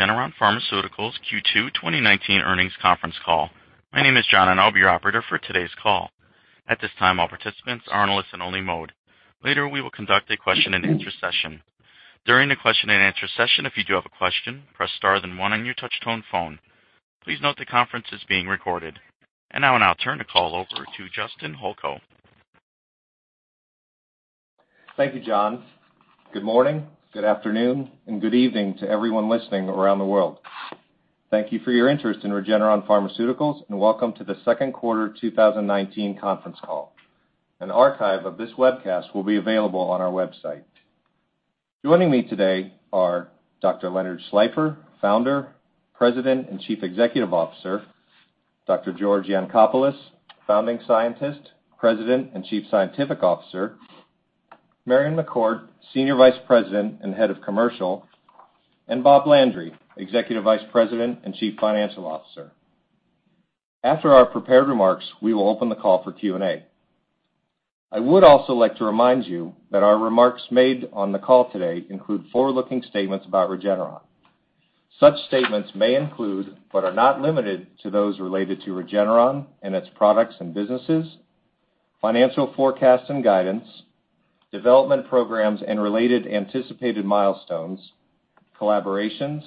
To the Regeneron Pharmaceuticals Q2 2019 earnings conference call. My name is John, and I'll be your operator for today's call. At this time, all participants are in listen-only mode. Later, we will conduct a question and answer session. During the question and answer session, if you do have a question, press star than one on your touch-tone phone. Please note the conference is being recorded. Now I'll turn the call over to Justin Holko. Thank you, John. Good morning, good afternoon, and good evening to everyone listening around the world. Thank you for your interest in Regeneron Pharmaceuticals, and welcome to the second quarter 2019 conference call. An archive of this webcast will be available on our website. Joining me today are Dr. Leonard Schleifer, Founder, President, and Chief Executive Officer. Dr. George Yancopoulos, Founding Scientist, President, and Chief Scientific Officer. Marion McCourt, Senior Vice President and Head of Commercial, and Bob Landry, Executive Vice President and Chief Financial Officer. After our prepared remarks, we will open the call for Q&A. I would also like to remind you that our remarks made on the call today include forward-looking statements about Regeneron. Such statements may include, but are not limited to those related to Regeneron and its products and businesses, financial forecasts and guidance, development programs and related anticipated milestones, collaborations,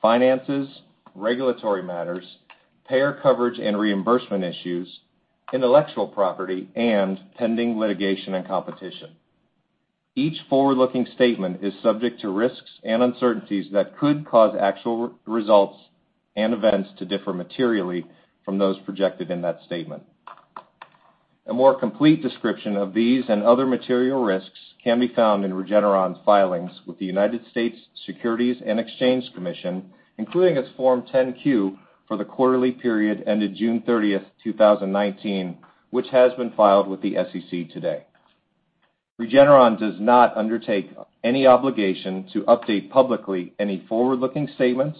finances, regulatory matters, payer coverage and reimbursement issues, intellectual property, and pending litigation and competition. Each forward-looking statement is subject to risks and uncertainties that could cause actual results and events to differ materially from those projected in that statement. A more complete description of these and other material risks can be found in Regeneron's filings with the United States Securities and Exchange Commission, including its Form 10-Q for the quarterly period ended June 30th, 2019, which has been filed with the SEC today. Regeneron does not undertake any obligation to update publicly any forward-looking statements,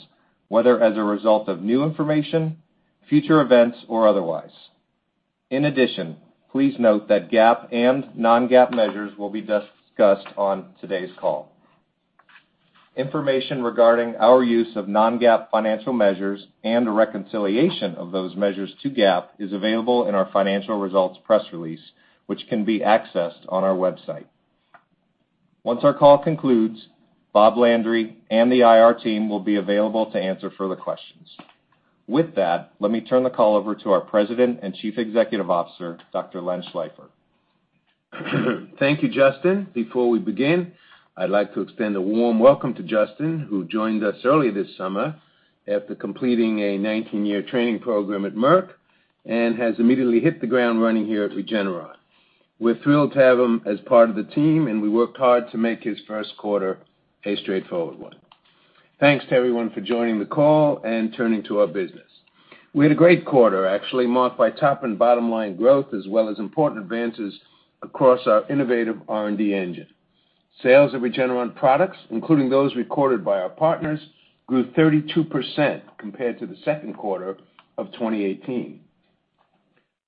whether as a result of new information, future events, or otherwise. In addition, please note that GAAP and non-GAAP measures will be discussed on today's call. Information regarding our use of non-GAAP financial measures and a reconciliation of those measures to GAAP is available in our financial results press release, which can be accessed on our website. Once our call concludes, Bob Landry and the IR team will be available to answer further questions. With that, let me turn the call over to our President and Chief Executive Officer, Dr. Len Schleifer. Thank you, Justin. Before we begin, I'd like to extend a warm welcome to Justin, who joined us early this summer after completing a 19-year training program at Merck and has immediately hit the ground running here at Regeneron. We're thrilled to have him as part of the team, and we worked hard to make his first quarter a straightforward one. Thanks to everyone for joining the call and turning to our business. We had a great quarter, actually marked by top and bottom-line growth, as well as important advances across our innovative R&D engine. Sales of Regeneron products, including those recorded by our partners, grew 32% compared to the second quarter of 2018.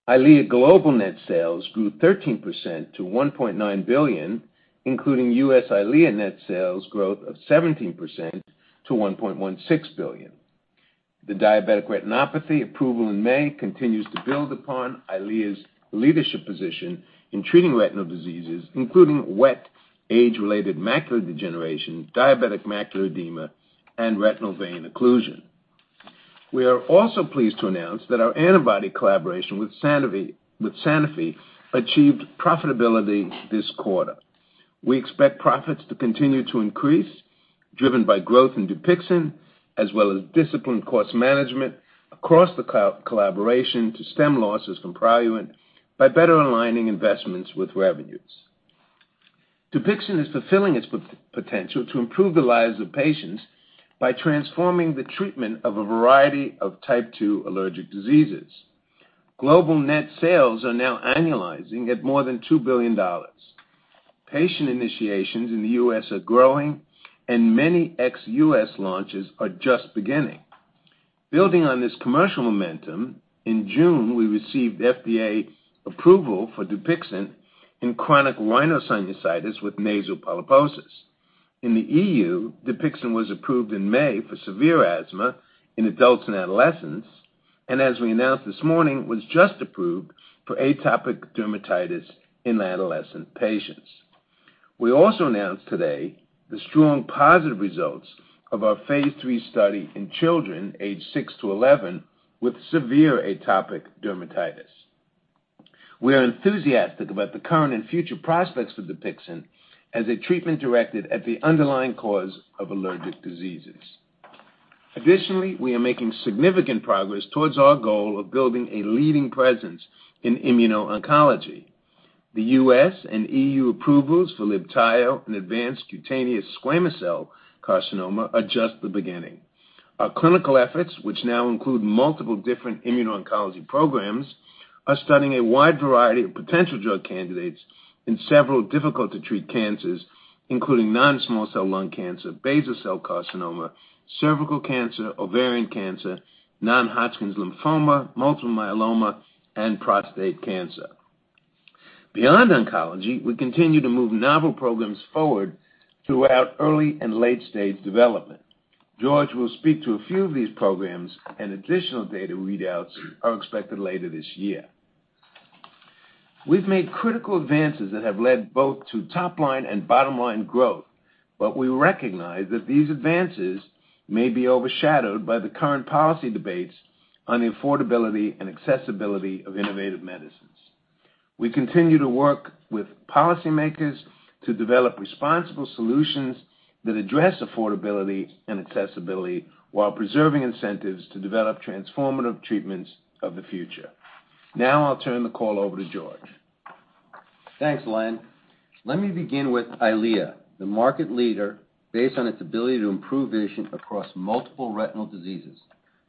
EYLEA global net sales grew 13% to $1.9 billion, including U.S. EYLEA net sales growth of 17% to $1.16 billion. The diabetic retinopathy approval in May continues to build upon EYLEA's leadership position in treating retinal diseases, including wet age-related macular degeneration, diabetic macular edema, and retinal vein occlusion. We are also pleased to announce that our antibody collaboration with Sanofi achieved profitability this quarter. We expect profits to continue to increase, driven by growth in DUPIXENT, as well as disciplined cost management across the collaboration to stem losses from PRALUENT by better aligning investments with revenues. DUPIXENT is fulfilling its potential to improve the lives of patients by transforming the treatment of a variety of type 2 allergic diseases. Global net sales are now annualizing at more than $2 billion. Patient initiations in the U.S. are growing, and many ex-U.S. launches are just beginning. Building on this commercial momentum, in June, we received FDA approval for DUPIXENT in chronic rhinosinusitis with nasal polyposis. In the EU, DUPIXENT was approved in May for severe asthma in adults and adolescents, and as we announced this morning, was just approved for atopic dermatitis in adolescent patients. We also announced today the strong positive results of our phase III study in children aged six to 11 with severe atopic dermatitis. We are enthusiastic about the current and future prospects for DUPIXENT as a treatment directed at the underlying cause of allergic diseases. Additionally, we are making significant progress towards our goal of building a leading presence in immuno-oncology. The U.S. and EU approvals for LIBTAYO in advanced cutaneous squamous cell carcinoma are just the beginning. Our clinical efforts, which now include multiple different immuno-oncology programs, are studying a wide variety of potential drug candidates in several difficult-to-treat cancers, including non-small cell lung cancer, basal cell carcinoma, cervical cancer, ovarian cancer, non-Hodgkin's lymphoma, multiple myeloma, and prostate cancer. Beyond oncology, we continue to move novel programs forward throughout early and late-stage development. George will speak to a few of these programs, and additional data readouts are expected later this year. We've made critical advances that have led both to top-line and bottom-line growth, but we recognize that these advances may be overshadowed by the current policy debates on the affordability and accessibility of innovative medicines. We continue to work with policymakers to develop responsible solutions that address affordability and accessibility while preserving incentives to develop transformative treatments of the future. Now I'll turn the call over to George. Thanks, Len. Let me begin with EYLEA, the market leader based on its ability to improve vision across multiple retinal diseases,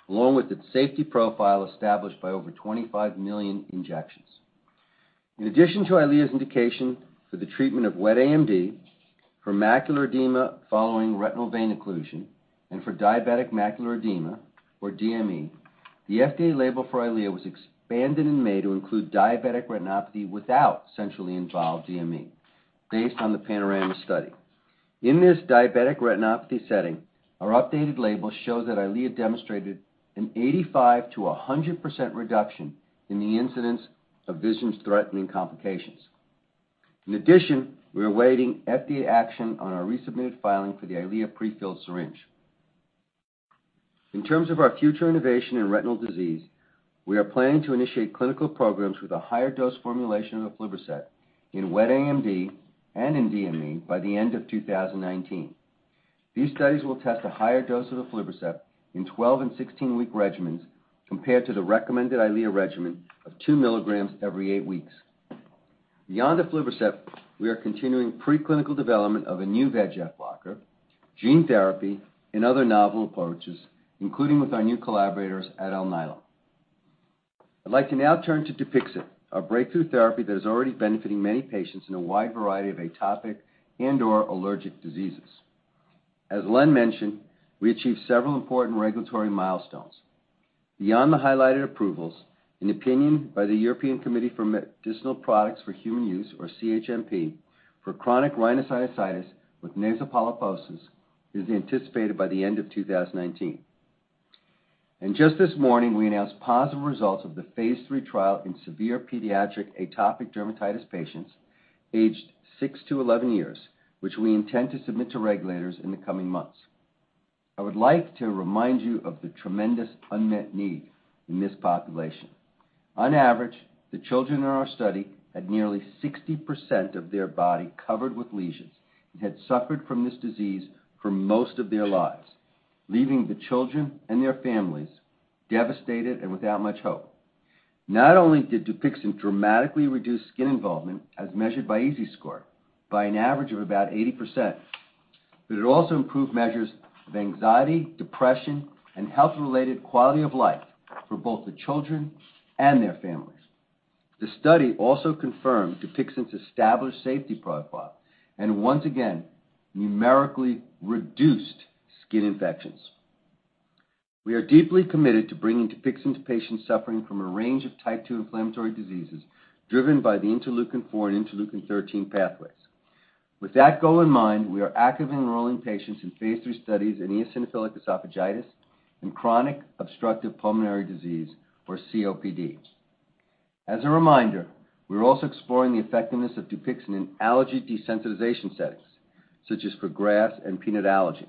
along with its safety profile established by over 25 million injections. In addition to EYLEA's indication for the treatment of wet AMD, for macular edema following retinal vein occlusion, and for diabetic macular edema, or DME, the FDA label for EYLEA was expanded in May to include diabetic retinopathy without centrally involved DME based on the PANORAMA study. In this diabetic retinopathy setting, our updated label shows that EYLEA demonstrated an 85%-100% reduction in the incidence of vision-threatening complications. In addition, we are awaiting FDA action on our resubmitted filing for the EYLEA prefilled syringe. In terms of our future innovation in retinal disease, we are planning to initiate clinical programs with a higher dose formulation of aflibercept in wet AMD and in DME by the end of 2019. These studies will test a higher dose of aflibercept in 12 and 16-week regimens compared to the recommended EYLEA regimen of two milligrams every eight weeks. Beyond aflibercept, we are continuing preclinical development of a new VEGF blocker, gene therapy, and other novel approaches, including with our new collaborators at Alnylam. I'd like to now turn to DUPIXENT, our breakthrough therapy that is already benefiting many patients in a wide variety of atopic and/or allergic diseases. As Len mentioned, we achieved several important regulatory milestones. Beyond the highlighted approvals, an opinion by the European Committee for Medicinal Products for Human Use, or CHMP, for chronic rhinosinusitis with nasal polyposis is anticipated by the end of 2019. Just this morning, we announced positive results of the phase III trial in severe pediatric atopic dermatitis patients aged six to 11 years, which we intend to submit to regulators in the coming months. I would like to remind you of the tremendous unmet need in this population. On average, the children in our study had nearly 60% of their body covered with lesions and had suffered from this disease for most of their lives, leaving the children and their families devastated and without much hope. Not only did DUPIXENT dramatically reduce skin involvement as measured by EASI score by an average of about 80%, but it also improved measures of anxiety, depression, and health-related quality of life for both the children and their families. The study also confirmed DUPIXENT's established safety profile and once again numerically reduced skin infections. We are deeply committed to bringing DUPIXENT to patients suffering from a range of type 2 inflammatory diseases driven by the interleukin-4 and interleukin-13 pathways. With that goal in mind, we are actively enrolling patients in phase III studies in eosinophilic esophagitis and chronic obstructive pulmonary disease, or COPD. As a reminder, we're also exploring the effectiveness of DUPIXENT in allergy desensitization settings, such as for grass and peanut allergy.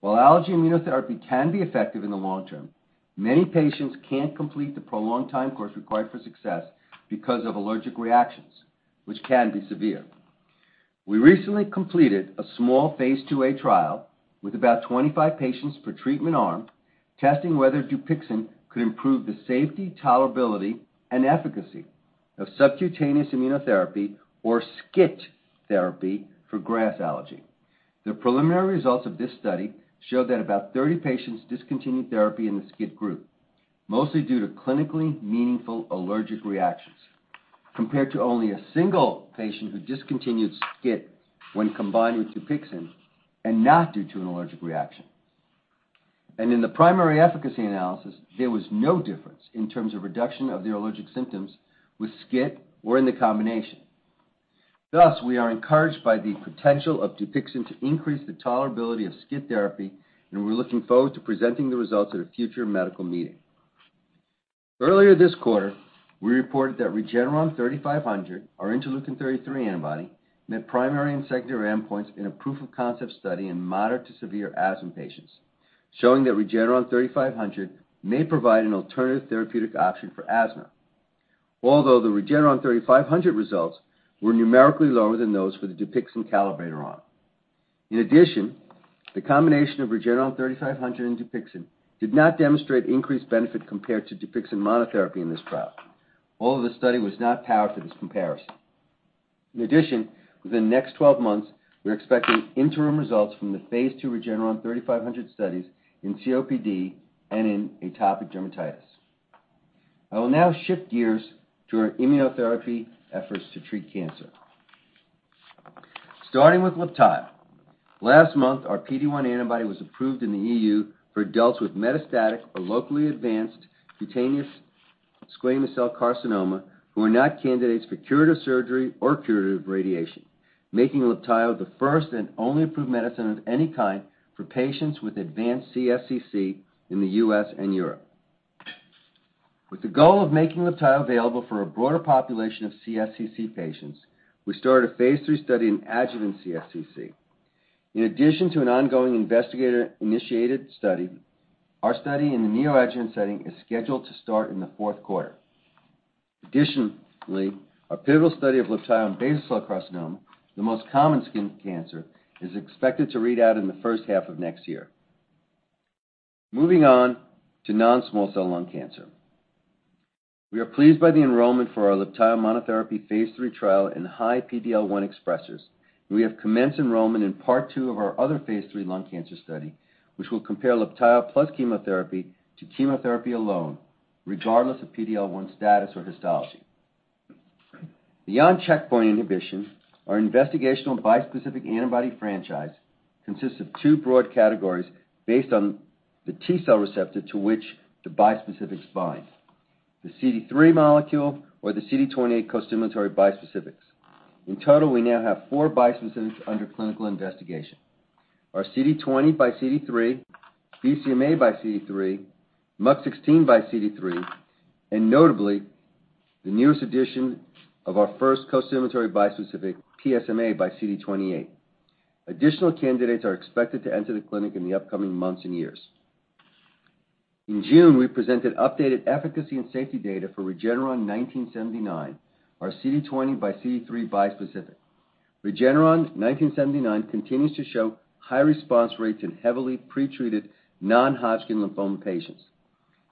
While allergy immunotherapy can be effective in the long term, many patients can't complete the prolonged time course required for success because of allergic reactions, which can be severe. We recently completed a small phase II-A trial with about 25 patients per treatment arm, testing whether DUPIXENT could improve the safety, tolerability, and efficacy of subcutaneous immunotherapy, or SCIT therapy, for grass allergy. The preliminary results of this study show that about 30 patients discontinued therapy in the SCIT group, mostly due to clinically meaningful allergic reactions, compared to only a single patient who discontinued SCIT when combined with DUPIXENT and not due to an allergic reaction. In the primary efficacy analysis, there was no difference in terms of reduction of the allergic symptoms with SCIT or in the combination. Thus, we are encouraged by the potential of DUPIXENT to increase the tolerability of SCIT therapy, and we're looking forward to presenting the results at a future medical meeting. Earlier this quarter, we reported that REGN3500, our interleukin-33 antibody, met primary and secondary endpoints in a proof-of-concept study in moderate to severe asthma patients, showing that Regeneron 3500 may provide an alternative therapeutic option for asthma, although the Regeneron 3500 results were numerically lower than those for the DUPIXENT calibrator arm. In addition, the combination of REGN3500 and DUPIXENT did not demonstrate increased benefit compared to DUPIXENT monotherapy in this trial, although the study was not powered for this comparison. In addition, within the next 12 months, we're expecting interim results from the phase II REGN3500 studies in COPD and in atopic dermatitis. I will now shift gears to our immunotherapy efforts to treat cancer. Starting with LIBTAYO. Last month, our PD-1 antibody was approved in the EU for adults with metastatic or locally advanced cutaneous squamous cell carcinoma who are not candidates for curative surgery or curative radiation, making LIBTAYO the first and only approved medicine of any kind for patients with advanced CSCC in the U.S. and Europe. With the goal of making LIBTAYO available for a broader population of CSCC patients, we started a phase III study in adjuvant CSCC. In addition to an ongoing investigator-initiated study, our study in the neoadjuvant setting is scheduled to start in the fourth quarter. Additionally, our pivotal study of LIBTAYO in basal cell carcinoma, the most common skin cancer, is expected to read out in the first half of next year. Moving on to non-small cell lung cancer. We are pleased by the enrollment for our LIBTAYO monotherapy phase III trial in high PD-L1 expressers, and we have commenced enrollment in Part 2 of our other phase III lung cancer study, which will compare LIBTAYO plus chemotherapy to chemotherapy alone, regardless of PD-L1 status or histology. Beyond checkpoint inhibition, our investigational bispecific antibody franchise consists of two broad categories based on the T cell receptor to which the bispecifics bind, the CD3 molecule or the CD28 costimulatory bispecifics. In total, we now have four bispecifics under clinical investigation. Our CD20 by CD3, BCMA by CD3, MUC16 by CD3, and notably, the newest addition of our first costimulatory bispecific, PSMA by CD28. Additional candidates are expected to enter the clinic in the upcoming months and years. In June, we presented updated efficacy and safety data for REGN1979, our CD20 by CD3 bispecific. REGN1979 continues to show high response rates in heavily pretreated non-Hodgkin lymphoma patients.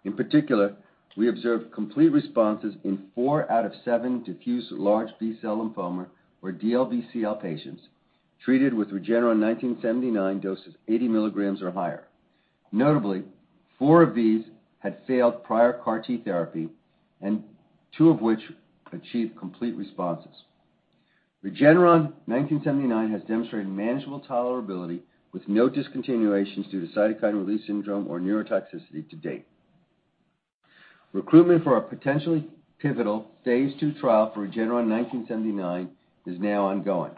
In particular, we observed complete responses in four out of seven diffuse large B-cell lymphoma or DLBCL patients treated with REGN1979 doses 80 milligrams or higher. Notably, four of these had failed prior CAR T therapy and two of which achieved complete responses. REGN1979 has demonstrated manageable tolerability with no discontinuations due to cytokine release syndrome or neurotoxicity to date. Recruitment for our potentially pivotal phase II trial for REGN1979 is now ongoing.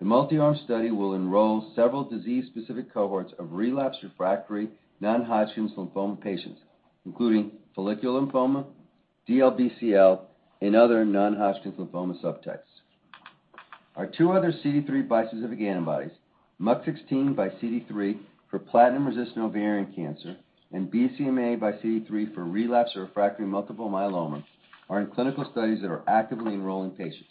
The multi-arm study will enroll several disease-specific cohorts of relapsed/refractory non-Hodgkin's lymphoma patients, including follicular lymphoma, DLBCL, and other non-Hodgkin's lymphoma subtypes. Our two other CD3 bispecific antibodies, MUC16 by CD3 for platinum-resistant ovarian cancer, and BCMA by CD3 for relapsed or refractory multiple myeloma, are in clinical studies that are actively enrolling patients.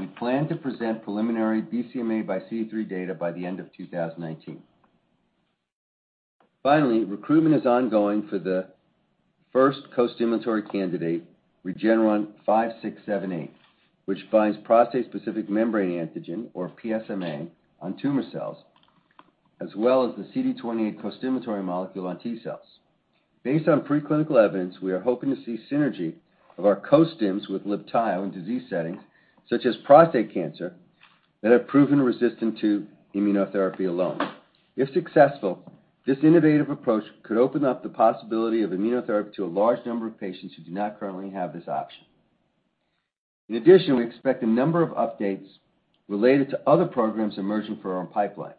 We plan to present preliminary BCMA by CD3 data by the end of 2019. Finally, recruitment is ongoing for the first costimulatory candidate, REGN5678, which binds prostate-specific membrane antigen, or PSMA, on tumor cells, as well as the CD28 costimulatory molecule on T cells. Based on preclinical evidence, we are hoping to see synergy of our costims with LIBTAYO in disease settings such as prostate cancer that have proven resistant to immunotherapy alone. If successful, this innovative approach could open up the possibility of immunotherapy to a large number of patients who do not currently have this option. In addition, we expect a number of updates related to other programs emerging from our pipeline.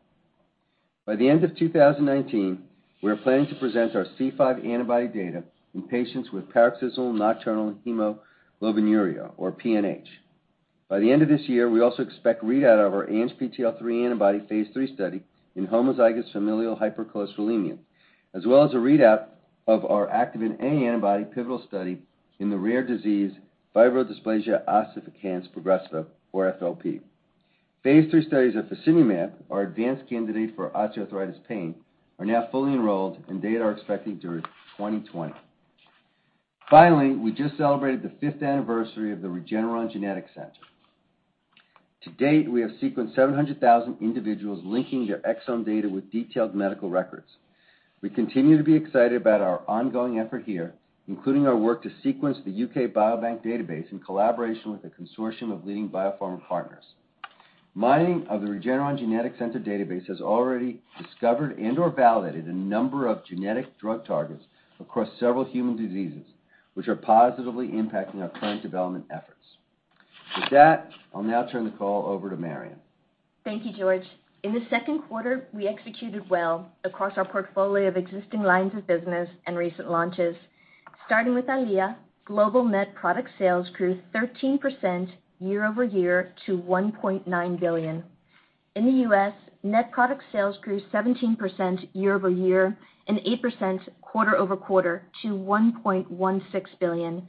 By the end of 2019, we are planning to present our C5 antibody data in patients with paroxysmal nocturnal hemoglobinuria, or PNH. By the end of this year, we also expect readout of our ANGPTL3 antibody phase III study in homozygous familial hypercholesterolemia, as well as a readout of our activin A antibody pivotal study in the rare disease fibrodysplasia ossificans progressiva, or FOP. Phase III studies of fasinumab, our advanced candidate for osteoarthritis pain, are now fully enrolled and data are expected during 2020. Finally, we just celebrated the fifth anniversary of the Regeneron Genetics Center. To date, we have sequenced 700,000 individuals linking their exome data with detailed medical records. We continue to be excited about our ongoing effort here, including our work to sequence the UK Biobank database in collaboration with a consortium of leading biopharma partners. Mining of the Regeneron Genetics Center database has already discovered and/or validated a number of genetic drug targets across several human diseases, which are positively impacting our current development efforts. With that, I'll now turn the call over to Marion. Thank you, George. In the second quarter, we executed well across our portfolio of existing lines of business and recent launches. Starting with EYLEA, global net product sales grew 13% year-over-year to $1.9 billion. In the U.S., net product sales grew 17% year-over-year and 8% quarter-over-quarter to $1.16 billion.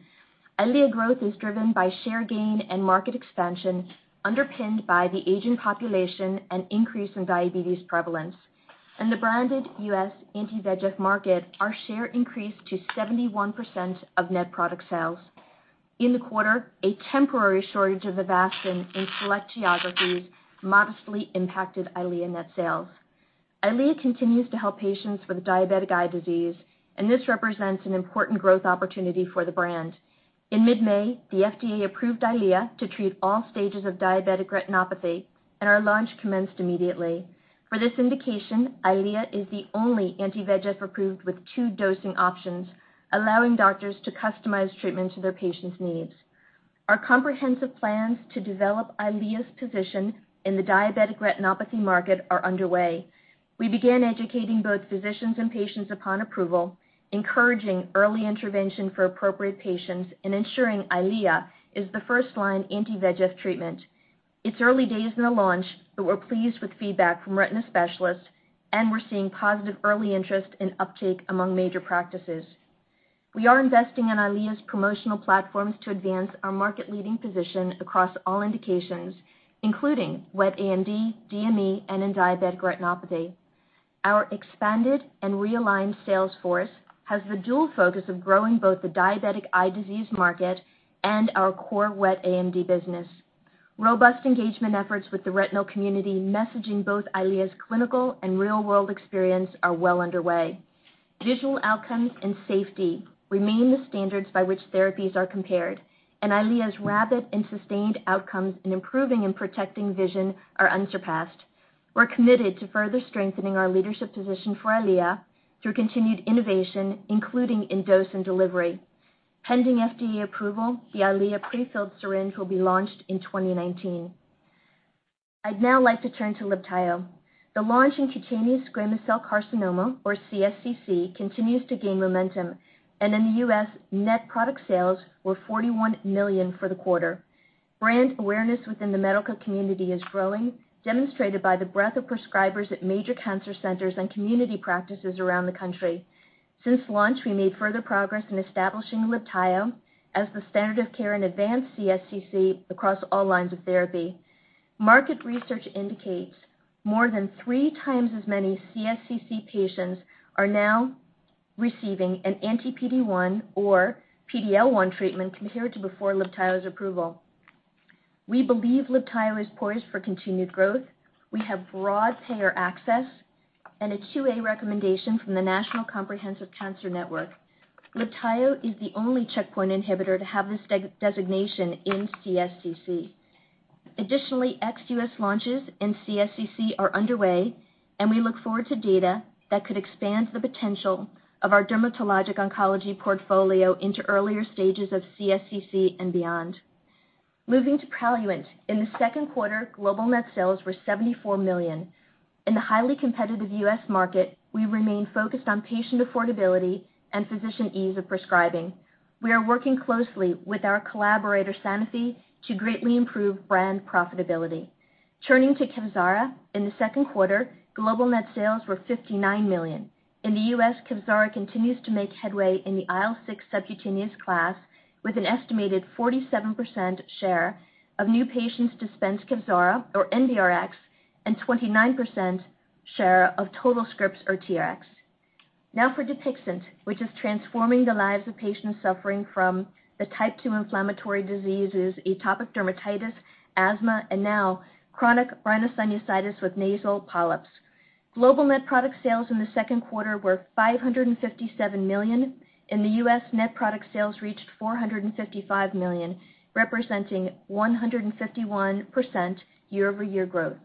EYLEA growth is driven by share gain and market expansion underpinned by the aging population and increase in diabetes prevalence. In the branded U.S. anti-VEGF market, our share increased to 71% of net product sales. In the quarter, a temporary shortage of Avastin in select geographies modestly impacted EYLEA net sales. EYLEA continues to help patients with diabetic eye disease, and this represents an important growth opportunity for the brand. In mid-May, the FDA approved EYLEA to treat all stages of diabetic retinopathy, and our launch commenced immediately. For this indication, EYLEA is the only anti-VEGF approved with two dosing options, allowing doctors to customize treatment to their patients' needs. Our comprehensive plans to develop EYLEA's position in the diabetic retinopathy market are underway. We began educating both physicians and patients upon approval, encouraging early intervention for appropriate patients, and ensuring EYLEA is the first-line anti-VEGF treatment. It's early days in the launch, but we're pleased with feedback from retina specialists, and we're seeing positive early interest and uptake among major practices. We are investing in EYLEA's promotional platforms to advance our market-leading position across all indications, including wet AMD, DME, and in diabetic retinopathy. Our expanded and realigned sales force has the dual focus of growing both the diabetic eye disease market and our core wet AMD business. Robust engagement efforts with the retinal community messaging both EYLEA's clinical and real-world experience are well underway. Visual outcomes and safety remain the standards by which therapies are compared, and EYLEA's rapid and sustained outcomes in improving and protecting vision are unsurpassed. We're committed to further strengthening our leadership position for EYLEA through continued innovation, including in dose and delivery. Pending FDA approval, the EYLEA pre-filled syringe will be launched in 2019. I'd now like to turn to LIBTAYO. The launch in cutaneous squamous cell carcinoma, or CSCC, continues to gain momentum, and in the U.S., net product sales were $41 million for the quarter. Brand awareness within the medical community is growing, demonstrated by the breadth of prescribers at major cancer centers and community practices around the country. Since launch, we made further progress in establishing LIBTAYO as the standard of care in advanced CSCC across all lines of therapy. Market research indicates more than three times as many CSCC patients are now receiving an anti-PD-1 or PD-L1 treatment compared to before LIBTAYO's approval. We believe LIBTAYO is poised for continued growth. We have broad payer access and a 2A recommendation from the National Comprehensive Cancer Network. LIBTAYO is the only checkpoint inhibitor to have this designation in CSCC. Additionally, ex-U.S. launches in CSCC are underway, and we look forward to data that could expand the potential of our dermatologic oncology portfolio into earlier stages of CSCC and beyond. Moving to PRALUENT. In the second quarter, global net sales were $74 million. In the highly competitive U.S. market, we remain focused on patient affordability and physician ease of prescribing. We are working closely with our collaborator, Sanofi, to greatly improve brand profitability. Turning to KEVZARA. In the second quarter, global net sales were $59 million. In the U.S., KEVZARA continues to make headway in the IL-6 subcutaneous class with an estimated 47% share of new patients dispensed KEVZARA or NRx, and 29% share of total scripts or TRX. For DUPIXENT, which is transforming the lives of patients suffering from the type 2 inflammatory diseases atopic dermatitis, asthma, and now chronic rhinosinusitis with nasal polyps. Global net product sales in the second quarter were $557 million. In the U.S., net product sales reached $455 million, representing 151% year-over-year growth.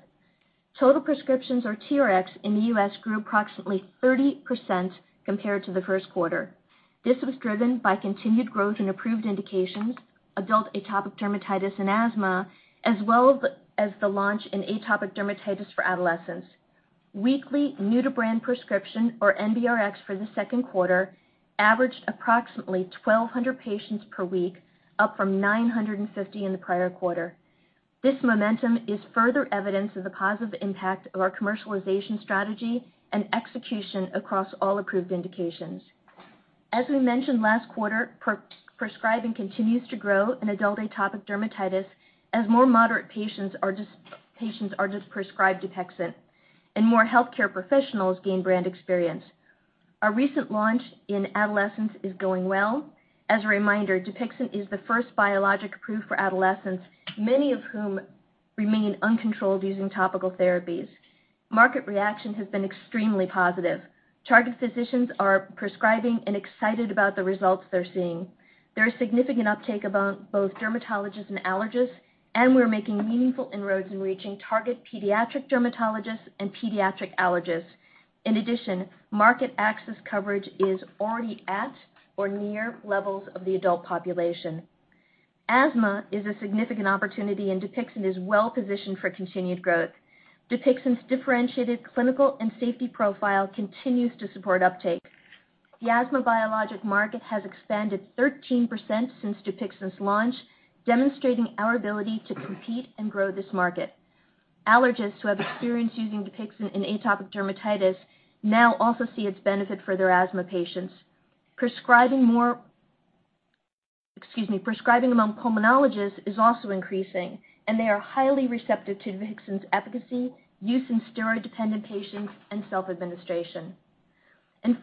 Total prescriptions or TRX in the U.S. grew approximately 30% compared to the first quarter. This was driven by continued growth in approved indications, adult atopic dermatitis and asthma, as well as the launch in atopic dermatitis for adolescents. Weekly new-to-brand prescription or NBRx for the second quarter averaged approximately 1,200 patients per week, up from 950 in the prior quarter. This momentum is further evidence of the positive impact of our commercialization strategy and execution across all approved indications. As we mentioned last quarter, prescribing continues to grow in adult atopic dermatitis as more moderate patients are just prescribed DUPIXENT and more healthcare professionals gain brand experience. Our recent launch in adolescents is going well. As a reminder, DUPIXENT is the first biologic approved for adolescents, many of whom remain uncontrolled using topical therapies. Market reaction has been extremely positive. Target physicians are prescribing and excited about the results they're seeing. There is significant uptake among both dermatologists and allergists, and we're making meaningful inroads in reaching target pediatric dermatologists and pediatric allergists. In addition, market access coverage is already at or near levels of the adult population. Asthma is a significant opportunity, and DUPIXENT is well positioned for continued growth. DUPIXENT's differentiated clinical and safety profile continues to support uptake. The asthma biologic market has expanded 13% since DUPIXENT's launch, demonstrating our ability to compete and grow this market. Allergists who have experience using DUPIXENT in atopic dermatitis now also see its benefit for their asthma patients. Prescribing among pulmonologists is also increasing, they are highly receptive to DUPIXENT's efficacy, use in steroid-dependent patients, and self-administration.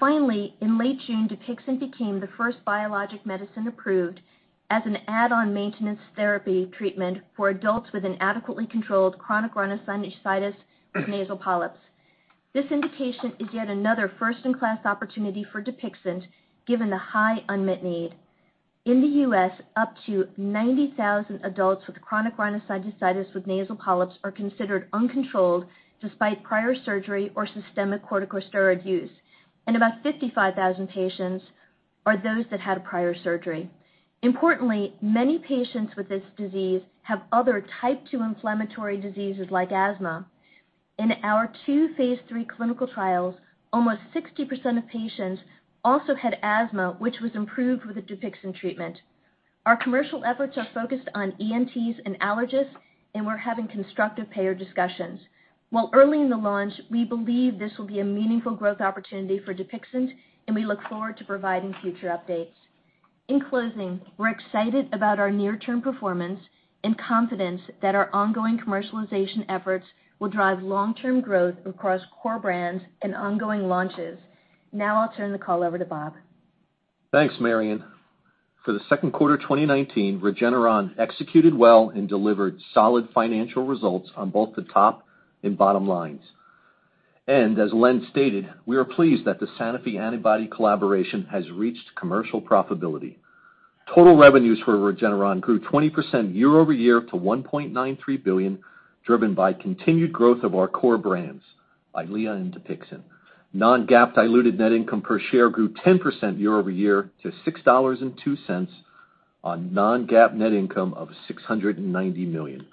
Finally, in late June, DUPIXENT became the first biologic medicine approved as an add-on maintenance therapy treatment for adults with an adequately controlled chronic rhinosinusitis with nasal polyps. This indication is yet another first-in-class opportunity for DUPIXENT, given the high unmet need. In the U.S., up to 90,000 adults with chronic rhinosinusitis with nasal polyps are considered uncontrolled despite prior surgery or systemic corticosteroid use. About 55,000 patients are those that had a prior surgery. Importantly, many patients with this disease have other type 2 inflammatory diseases like asthma. In our two phase III clinical trials, almost 60% of patients also had asthma, which was improved with the DUPIXENT treatment. We're having constructive payer discussions. While early in the launch, we believe this will be a meaningful growth opportunity for DUPIXENT, and we look forward to providing future updates. In closing, we're excited about our near-term performance and confidence that our ongoing commercialization efforts will drive long-term growth across core brands and ongoing launches. I'll turn the call over to Bob. Thanks, Marion. For the second quarter 2019, Regeneron executed well and delivered solid financial results on both the top and bottom lines. As Len stated, we are pleased that the Sanofi antibody collaboration has reached commercial profitability. Total revenues for Regeneron grew 20% year-over-year to $1.93 billion, driven by continued growth of our core brands, EYLEA and DUPIXENT. Non-GAAP diluted net income per share grew 10% year-over-year to $6.02 on non-GAAP net income of $690 million.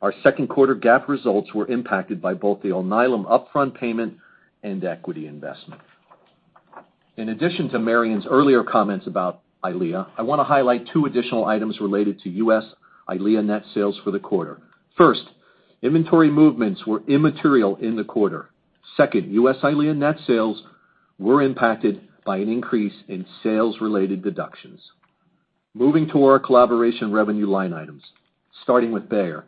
Our second quarter GAAP results were impacted by both the Alnylam upfront payment and equity investment. In addition to Marion's earlier comments about EYLEA, I want to highlight two additional items related to U.S. EYLEA net sales for the quarter. First, inventory movements were immaterial in the quarter. Second, U.S. EYLEA net sales were impacted by an increase in sales-related deductions. Moving to our collaboration revenue line items, starting with Bayer.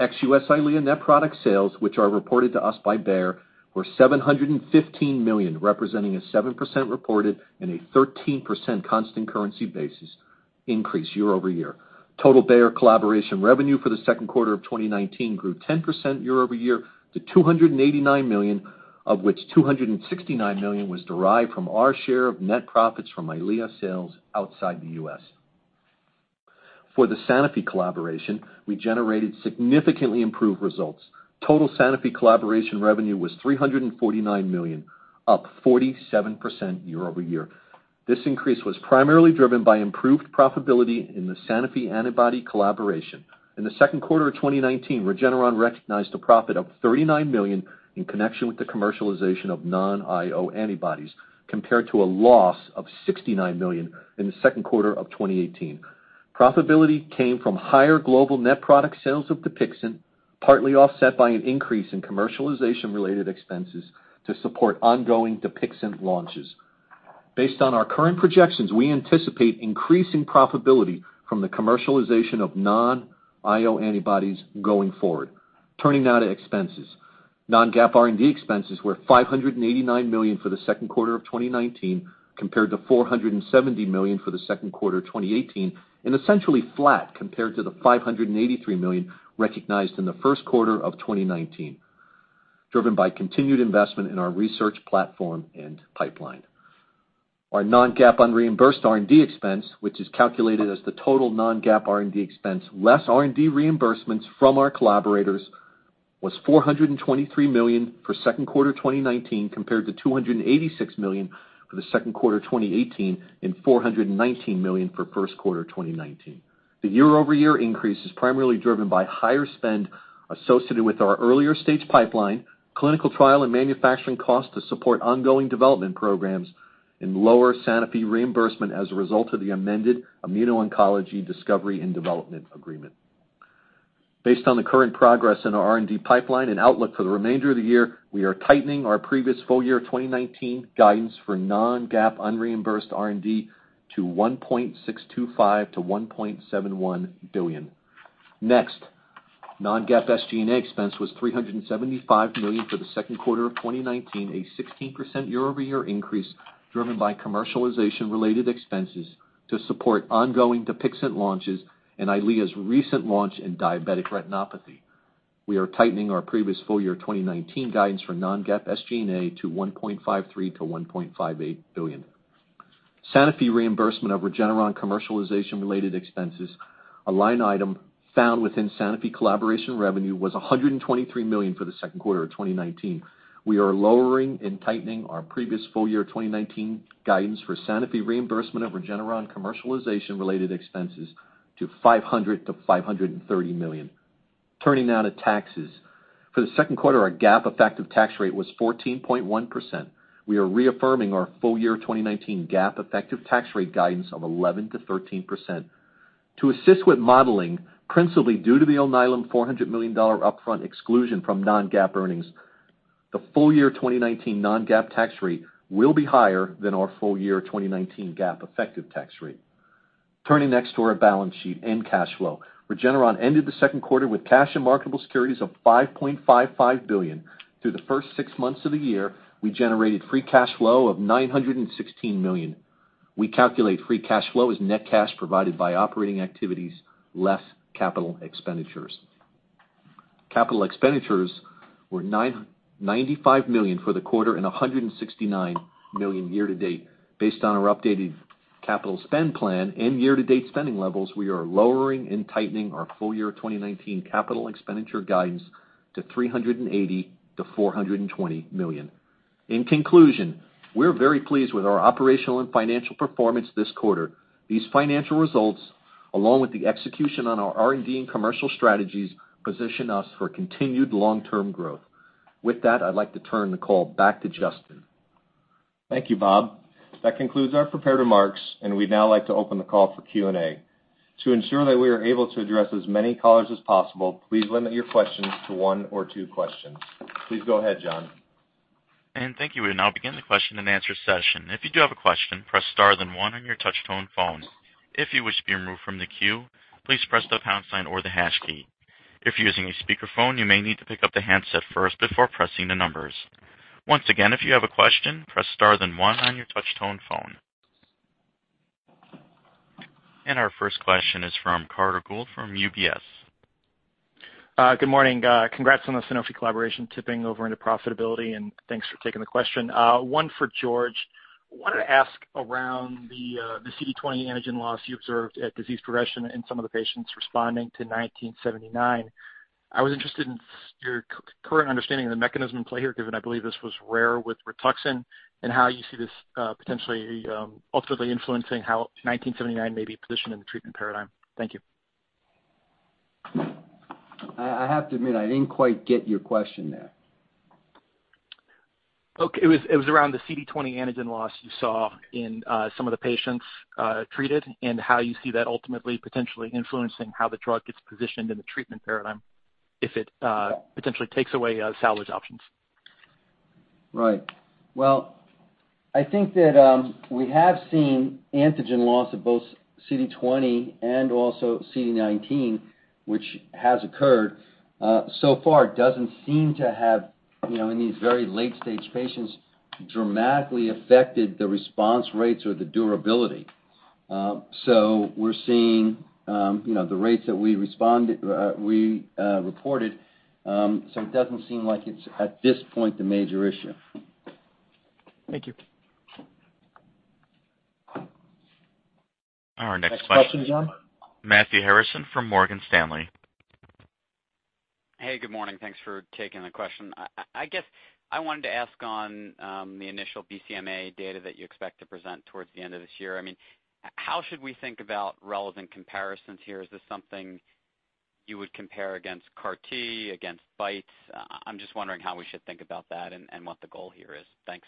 Ex-U.S. EYLEA net product sales, which are reported to us by Bayer, were $715 million, representing a 7% reported and a 13% constant currency basis increase year-over-year. Total Bayer collaboration revenue for the second quarter of 2019 grew 10% year-over-year to $289 million, of which $269 million was derived from our share of net profits from EYLEA sales outside the U.S. For the Sanofi collaboration, we generated significantly improved results. Total Sanofi collaboration revenue was $349 million, up 47% year-over-year. This increase was primarily driven by improved profitability in the Sanofi antibody collaboration. In the second quarter of 2019, Regeneron recognized a profit of $39 million in connection with the commercialization of non-IO antibodies, compared to a loss of $69 million in the second quarter of 2018. Profitability came from higher global net product sales of DUPIXENT, partly offset by an increase in commercialization related expenses to support ongoing DUPIXENT launches. Based on our current projections, we anticipate increasing profitability from the commercialization of non-IO antibodies going forward. Turning now to expenses. Non-GAAP R&D expenses were $589 million for the second quarter of 2019, compared to $470 million for the second quarter of 2018, and essentially flat compared to the $583 million recognized in the first quarter of 2019, driven by continued investment in our research platform and pipeline. Our non-GAAP unreimbursed R&D expense, which is calculated as the total non-GAAP R&D expense less R&D reimbursements from our collaborators, was $423 million for second quarter 2019, compared to $286 million for the second quarter 2018 and $419 million for first quarter 2019. The year-over-year increase is primarily driven by higher spend associated with our earlier stage pipeline, clinical trial and manufacturing costs to support ongoing development programs, and lower Sanofi reimbursement as a result of the amended immuno-oncology discovery and development agreement. Based on the current progress in our R&D pipeline and outlook for the remainder of the year, we are tightening our previous full year 2019 guidance for non-GAAP unreimbursed R&D to $1.625 billion-$1.71 billion. Non-GAAP SG&A expense was $375 million for the second quarter of 2019, a 16% year-over-year increase driven by commercialization related expenses to support ongoing DUPIXENT launches and EYLEA's recent launch in diabetic retinopathy. We are tightening our previous full year 2019 guidance for non-GAAP SG&A to $1.53 billion-$1.58 billion. Sanofi reimbursement of Regeneron commercialization related expenses, a line item found within Sanofi collaboration revenue, was $123 million for the second quarter of 2019. We are lowering and tightening our previous full year 2019 guidance for Sanofi reimbursement of Regeneron commercialization related expenses to $500-$530 million. Turning now to taxes. For the second quarter, our GAAP effective tax rate was 14.1%. We are reaffirming our full year 2019 GAAP effective tax rate guidance of 11%-13%. To assist with modeling, principally due to the Alnylam $400 million upfront exclusion from non-GAAP earnings, the full year 2019 non-GAAP tax rate will be higher than our full year 2019 GAAP effective tax rate. Turning next to our balance sheet and cash flow. Regeneron ended the second quarter with cash and marketable securities of $5.55 billion. Through the first six months of the year, we generated free cash flow of $916 million. We calculate free cash flow as net cash provided by operating activities less capital expenditures. Capital expenditures were $95 million for the quarter and $169 million year-to-date. Based on our updated capital spend plan and year-to-date spending levels, we are lowering and tightening our full year 2019 capital expenditure guidance to $380 million-$420 million. In conclusion, we're very pleased with our operational and financial performance this quarter. These financial results, along with the execution on our R&D and commercial strategies, position us for continued long-term growth. With that, I'd like to turn the call back to Justin. Thank you, Bob. That concludes our prepared remarks, and we'd now like to open the call for Q&A. To ensure that we are able to address as many callers as possible, please limit your questions to one or two questions. Please go ahead, John. Thank you. We now begin the question and answer session. If you do have a question, press star, then one on your touch-tone phone. If you wish to be removed from the queue, please press the pound sign or the hash key. If you're using a speakerphone, you may need to pick up the handset first before pressing the numbers. Once again, if you have a question, press star, then one on your touch-tone phone. Our first question is from Carter Gould from UBS. Good morning. Congrats on the Sanofi collaboration tipping over into profitability. Thanks for taking the question. One for George. Wanted to ask around the CD20 antigen loss you observed at disease progression in some of the patients responding to 1979. I was interested in your current understanding of the mechanism at play here, given I believe this was rare with RITUXAN, and how you see this potentially ultimately influencing how 1979 may be positioned in the treatment paradigm. Thank you. I have to admit, I didn't quite get your question there. Okay. It was around the CD20 antigen loss you saw in some of the patients treated and how you see that ultimately potentially influencing how the drug gets positioned in the treatment paradigm if it potentially takes away salvage options. Right. Well, I think that we have seen antigen loss of both CD20 and also CD19, which has occurred. Far, it doesn't seem to have, in these very late-stage patients, dramatically affected the response rates or the durability. We're seeing the rates that we reported, so it doesn't seem like it's, at this point, a major issue. Thank you. Our next question. Next question, John. Matthew Harrison from Morgan Stanley. Hey, good morning. Thanks for taking the question. I guess I wanted to ask on the initial BCMA data that you expect to present towards the end of this year. How should we think about relevant comparisons here? Is this something you would compare against CAR T, against BiTEs? I'm just wondering how we should think about that and what the goal here is. Thanks.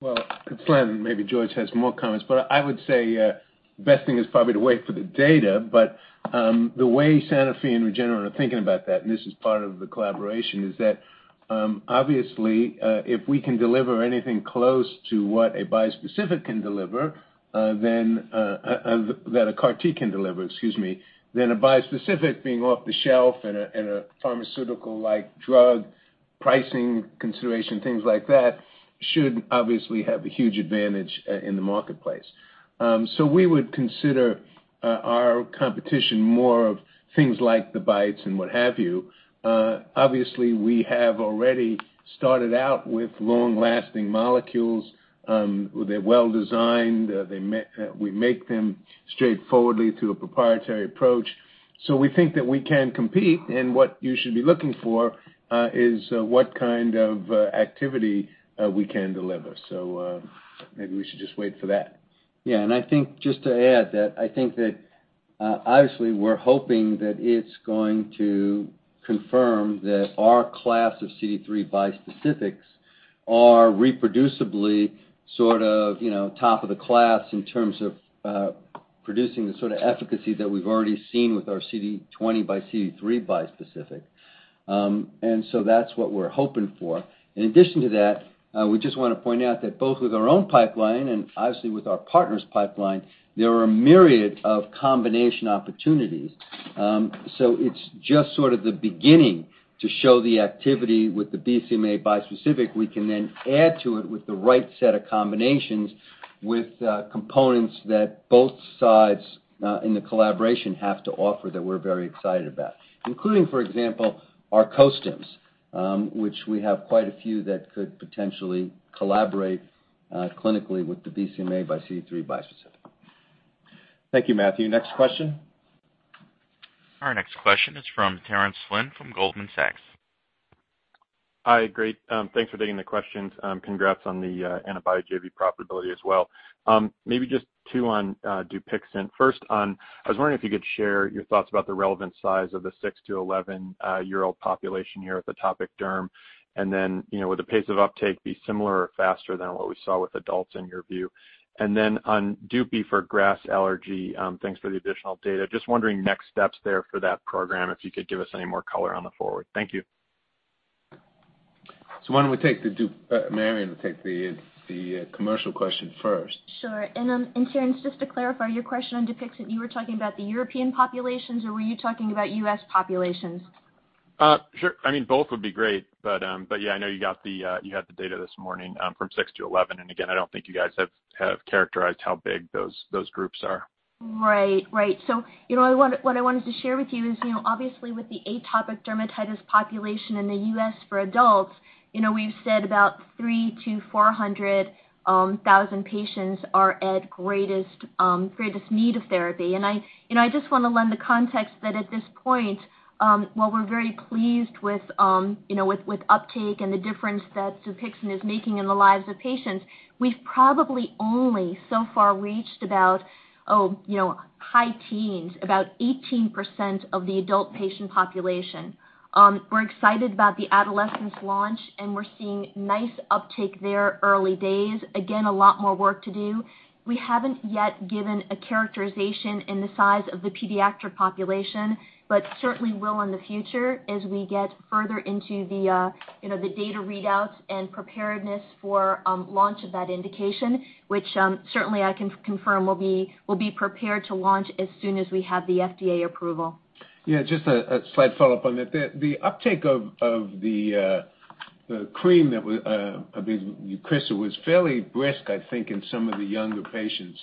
Well, Glenn, maybe George has more comments, but I would say best thing is probably to wait for the data. The way Sanofi and Regeneron are thinking about that, and this is part of the collaboration, is that obviously, if we can deliver anything close to what a bispecific can deliver, than a CAR T can deliver, excuse me, then a bispecific being off the shelf and a pharmaceutical like drug pricing consideration, things like that, should obviously have a huge advantage in the marketplace. We would consider our competition more of things like the BiTEs and what have you. Obviously, we have already started out with long-lasting molecules. They're well-designed. We make them straightforwardly through a proprietary approach. We think that we can compete, and what you should be looking for is what kind of activity we can deliver. Maybe we should just wait for that. Yeah, I think just to add that I think that obviously we're hoping that it's going to confirm that our class of CD3 bispecifics are reproducibly top of the class in terms of producing the sort of efficacy that we've already seen with our CD20 by CD3 bispecific. That's what we're hoping for. In addition to that, we just want to point out that both with our own pipeline and obviously with our partners' pipeline, there are a myriad of combination opportunities. It's just sort of the beginning to show the activity with the BCMA bispecific. We can then add to it with the right set of combinations with components that both sides in the collaboration have to offer that we're very excited about, including, for example, our co-stimulators, which we have quite a few that could potentially collaborate clinically with the BCMA by CD3 bispecific. Thank you, Matthew. Next question. Our next question is from Terence Flynn from Goldman Sachs. Hi, great. Thanks for taking the questions. Congrats on the antibody JV profitability as well. Maybe just two on DUPIXENT. First, I was wondering if you could share your thoughts about the relevant size of the 6 to 11-year-old population here atopic derm. Would the pace of uptake be similar or faster than what we saw with adults in your view? On DUPIXENT for grass allergy, thanks for the additional data. I was just wondering next steps there for that program, if you could give us any more color on the forward. Thank you. Marion will take the commercial question first. Sure. Terence, just to clarify, your question on DUPIXENT, you were talking about the European populations or were you talking about U.S. populations? Sure. Both would be great, yeah, I know you had the data this morning from 6-11. Again, I don't think you guys have characterized how big those groups are. Right. What I wanted to share with you is, obviously, with the atopic dermatitis population in the U.S. for adults, we've said about 300,000-400,000 patients are at greatest need of therapy. I just want to lend the context that at this point, while we're very pleased with uptake and the difference that DUPIXENT is making in the lives of patients, we've probably only so far reached about high teens, about 18% of the adult patient population. We're excited about the adolescence launch, and we're seeing nice uptake there, early days. Again, a lot more work to do. We haven't yet given a characterization in the size of the pediatric population, certainly will in the future as we get further into the data readouts and preparedness for launch of that indication, which certainly I can confirm will be prepared to launch as soon as we have the FDA approval. Yeah, just a slight follow-up on that. The uptake of the cream, of the EUCRISA was fairly brisk, I think, in some of the younger patients.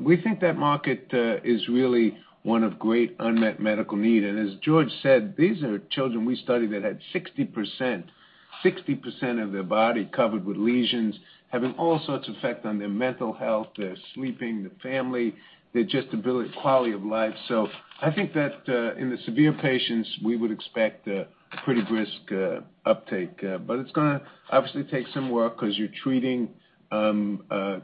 We think that market is really one of great unmet medical need. As George said, these are children we studied that had 60% of their body covered with lesions, having all sorts of effect on their mental health, their sleeping, their family, their just ability, quality of life. I think that in the severe patients, we would expect a pretty brisk uptake. It's going to obviously take some work because you're treating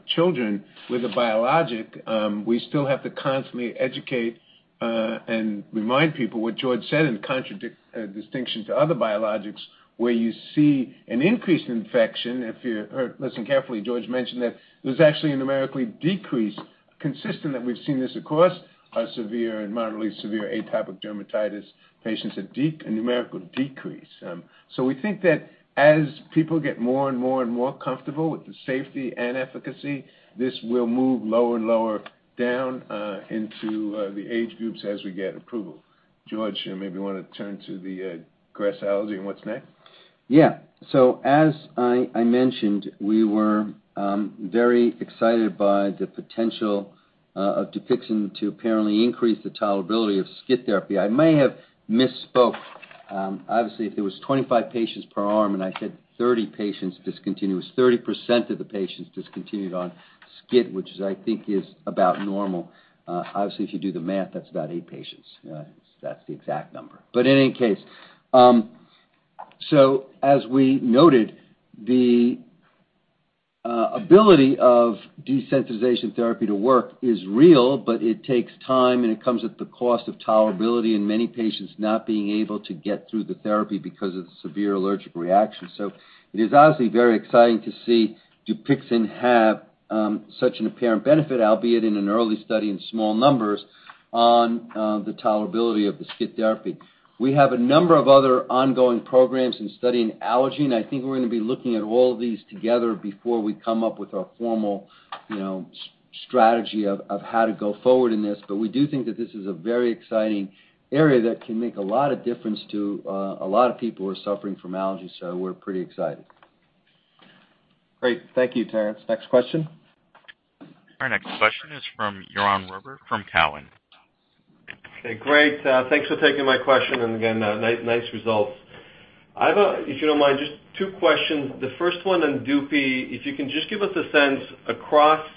children with a biologic. We still have to constantly educate and remind people what George said in contradistinction to other biologics, where you see an increase in infection. If you listen carefully, George mentioned that there's actually a numerically decrease consistent that we've seen this across our severe and moderately severe atopic dermatitis patients, a numerical decrease. We think that as people get more and more comfortable with the safety and efficacy, this will move lower and lower down into the age groups as we get approval. George, you maybe want to turn to the grass allergy and what's next? As I mentioned, we were very excited by the potential of DUPIXENT to apparently increase the tolerability of SCIT therapy. I may have misspoke. Obviously, if it was 25 patients per arm and I said 30 patients discontinued, it was 30% of the patients discontinued on SCIT, which is, I think, is about normal. Obviously, if you do the math, that's about eight patients. That's the exact number. In any case, as we noted, the ability of desensitization therapy to work is real, but it takes time, and it comes at the cost of tolerability and many patients not being able to get through the therapy because of the severe allergic reaction. It is obviously very exciting to see DUPIXENT have such an apparent benefit, albeit in an early study in small numbers, on the tolerability of the SCIT therapy. We have a number of other ongoing programs in studying allergy. I think we're going to be looking at all of these together before we come up with our formal strategy of how to go forward in this. We do think that this is a very exciting area that can make a lot of difference to a lot of people who are suffering from allergies. We're pretty excited. Great. Thank you, Terence. Next question. Our next question is from Yaron Werber from Cowen. Okay, great. Thanks for taking my question. Again, nice results. I have, if you don't mind, just two questions. The first one on DUPIXENT, if you can just give us a sense across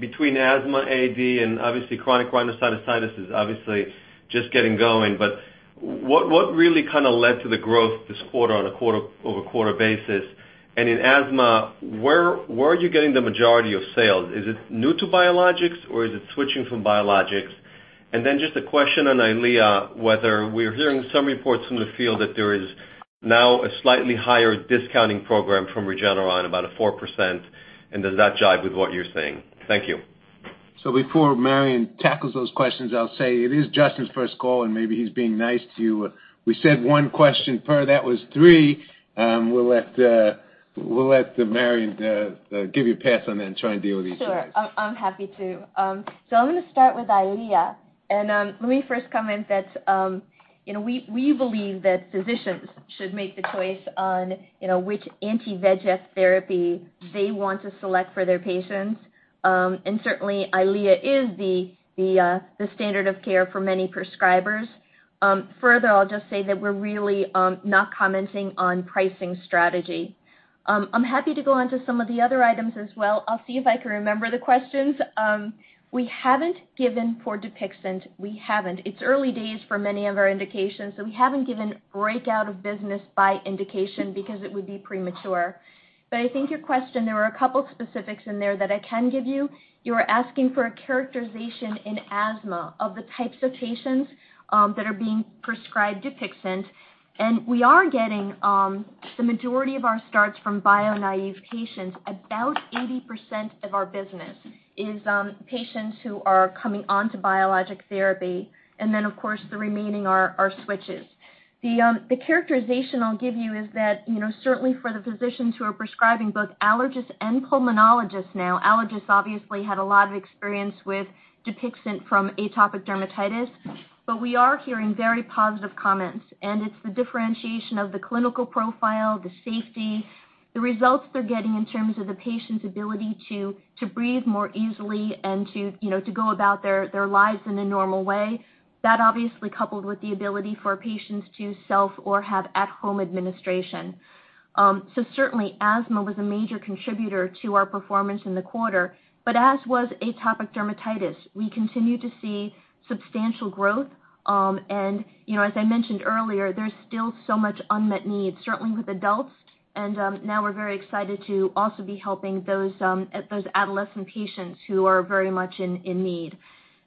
between asthma, AD and obviously chronic rhinosinusitis is obviously just getting going, but what really kind of led to the growth this quarter on a quarter-over-quarter basis? In asthma, where are you getting the majority of sales? Is it new to biologics or is it switching from biologics? Then just a question on EYLEA, whether we're hearing some reports from the field that there is now a slightly higher discounting program from Regeneron, about a 4%, and does that jive with what you're seeing? Thank you. Before Marion tackles those questions, I'll say it is Justin's first call, and maybe he's being nice to you. We said one question per, that was three. We'll let Marion give you a pass on that and try and deal with these things. Sure. I'm happy to. I'm going to start with EYLEA. Let me first comment that we believe that physicians should make the choice on which anti-VEGF therapy they want to select for their patients. Certainly, EYLEA is the standard of care for many prescribers. Further, I'll just say that we're really not commenting on pricing strategy. I'm happy to go onto some of the other items as well. I'll see if I can remember the questions. We haven't given for DUPIXENT. We haven't. It's early days for many of our indications. We haven't given breakout of business by indication because it would be premature. I think your question, there were a couple specifics in there that I can give you. You were asking for a characterization in asthma of the types of patients that are being prescribed DUPIXENT. We are getting the majority of our starts from bio-naive patients. About 80% of our business is patients who are coming onto biologic therapy. Then, of course, the remaining are switches. The characterization I'll give you is that, certainly for the physicians who are prescribing, both allergists and pulmonologists now, allergists obviously had a lot of experience with DUPIXENT from atopic dermatitis. We are hearing very positive comments. It's the differentiation of the clinical profile, the safety, the results they're getting in terms of the patient's ability to breathe more easily and to go about their lives in a normal way. That obviously coupled with the ability for patients to self or have at-home administration. Certainly, asthma was a major contributor to our performance in the quarter, but as was atopic dermatitis. We continue to see substantial growth. As I mentioned earlier, there's still so much unmet need, certainly with adults. Now we're very excited to also be helping those adolescent patients who are very much in need.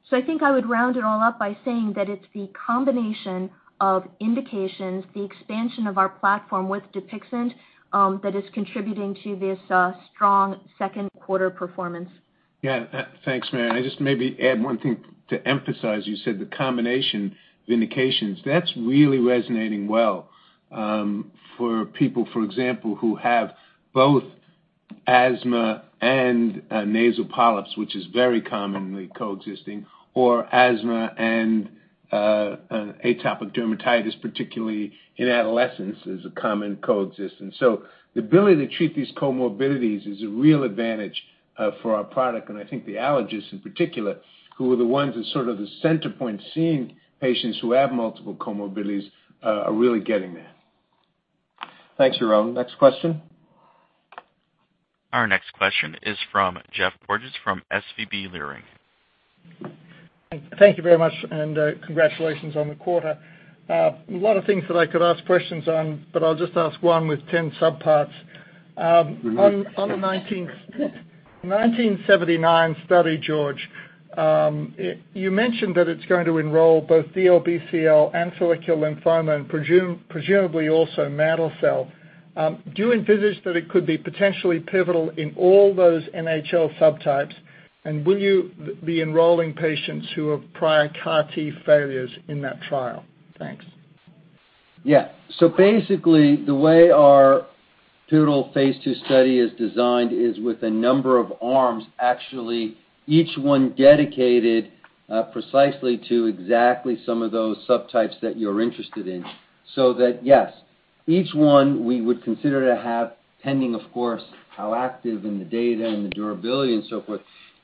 I think I would round it all up by saying that it's the combination of indications, the expansion of our platform with DUPIXENT, that is contributing to this strong second quarter performance. Yeah. Thanks, Marion. I just maybe add one thing to emphasize. You said the combination of indications. That's really resonating well for people, for example, who have both asthma and nasal polyps, which is very commonly coexisting, or asthma and atopic dermatitis, particularly in adolescents, is a common coexistence. The ability to treat these comorbidities is a real advantage for our product, and I think the allergists in particular, who are the ones that sort of the center point seeing patients who have multiple comorbidities, are really getting that. Thanks, Yaron. Next question. Our next question is from Geoffrey Porges from SVB Leerink. Thank you very much, and congratulations on the quarter. A lot of things that I could ask questions on, but I'll just ask one with 10 subparts. On the 1979 study, George, you mentioned that it's going to enroll both DLBCL and follicular lymphoma and presumably also mantle cell. Do you envisage that it could be potentially pivotal in all those NHL subtypes? Will you be enrolling patients who have prior CAR T failures in that trial? Thanks. Basically, the way our pivotal phase II study is designed is with a number of arms, actually, each one dedicated precisely to exactly some of those subtypes that you're interested in. That, yes, each one we would consider to have, pending, of course, how active and the data and the durability and so forth,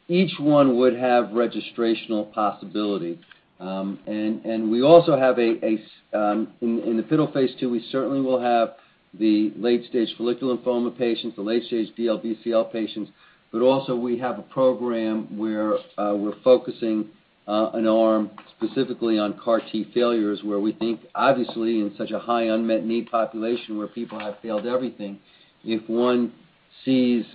each one would have registrational possibility. In the pivotal phase II, we certainly will have the late-stage follicular lymphoma patients, the late-stage DLBCL patients, also we have a program where we're focusing an arm specifically on CAR T failures, where we think obviously in such a high unmet need population where people have failed everything, if one sees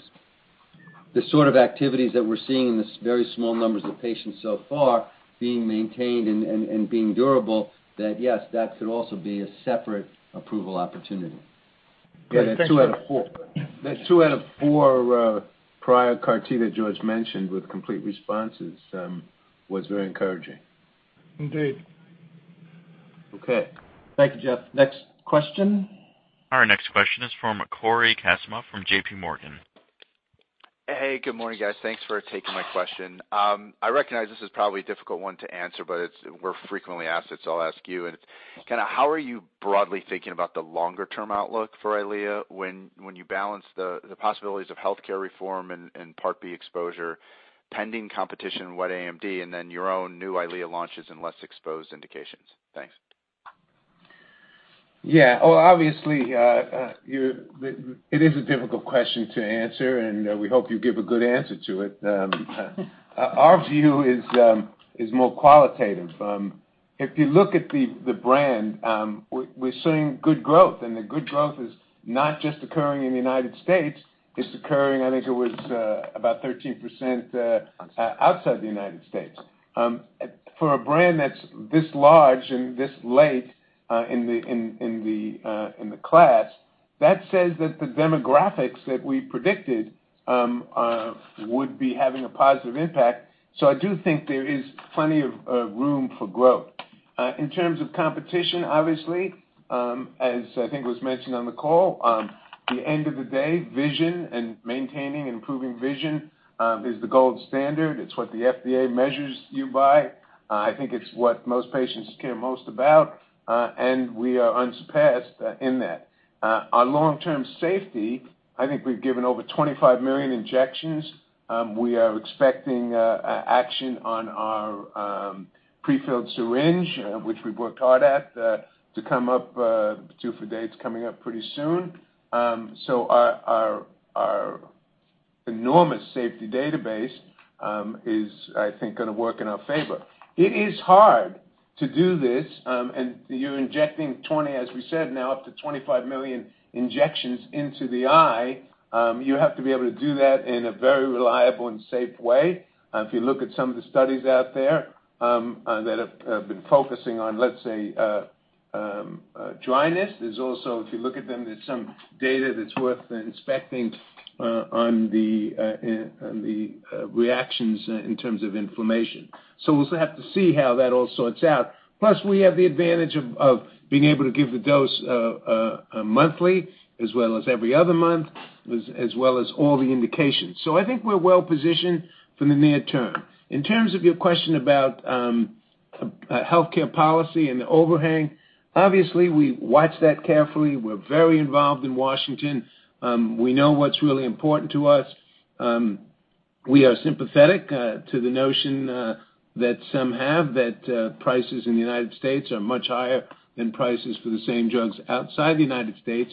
the sort of activities that we're seeing in this very small numbers of patients so far being maintained and being durable, yes, that could also be a separate approval opportunity. Great. Thank you. That two out of four prior CAR T that George mentioned with complete responses was very encouraging. Indeed. Okay. Thank you, Geoffrey. Next question. Our next question is from Cory Kasimov from JP Morgan. Hey, good morning, guys. Thanks for taking my question. I recognize this is probably a difficult one to answer, but we're frequently asked it, so I'll ask you. How are you broadly thinking about the longer-term outlook for EYLEA when you balance the possibilities of healthcare reform and Part B exposure, pending competition, wet AMD, and then your own new EYLEA launches and less exposed indications? Thanks. Yeah. Well, obviously, it is a difficult question to answer, and we hope you give a good answer to it. Our view is more qualitative. If you look at the brand, we're seeing good growth, and the good growth is not just occurring in the United States. It's occurring, I think it was about 13% outside the United States. For a brand that's this large and this late in the class, that says that the demographics that we predicted would be having a positive impact. I do think there is plenty of room for growth. In terms of competition, obviously, as I think was mentioned on the call, at the end of the day, vision and maintaining and improving vision is the gold standard. It's what the FDA measures you by. I think it's what most patients care most about, and we are unsurpassed in that. Our long-term safety, I think we've given over 25 million injections. We are expecting action on our prefilled syringe, which we've worked hard at to come up due for dates coming up pretty soon. Our enormous safety database is, I think, going to work in our favor. It is hard to do this, you're injecting 20, as we said now, up to 25 million injections into the eye. You have to be able to do that in a very reliable and safe way. If you look at some of the studies out there that have been focusing on, let's say, dryness. If you look at them, there's some data that's worth inspecting on the reactions in terms of inflammation. We'll have to see how that all sorts out. We have the advantage of being able to give the dose monthly as well as every other month. As well as all the indications. I think we're well-positioned for the near term. In terms of your question about healthcare policy and the overhang, obviously we watch that carefully. We're very involved in Washington. We know what's really important to us. We are sympathetic to the notion that some have that prices in the United States are much higher than prices for the same drugs outside the United States.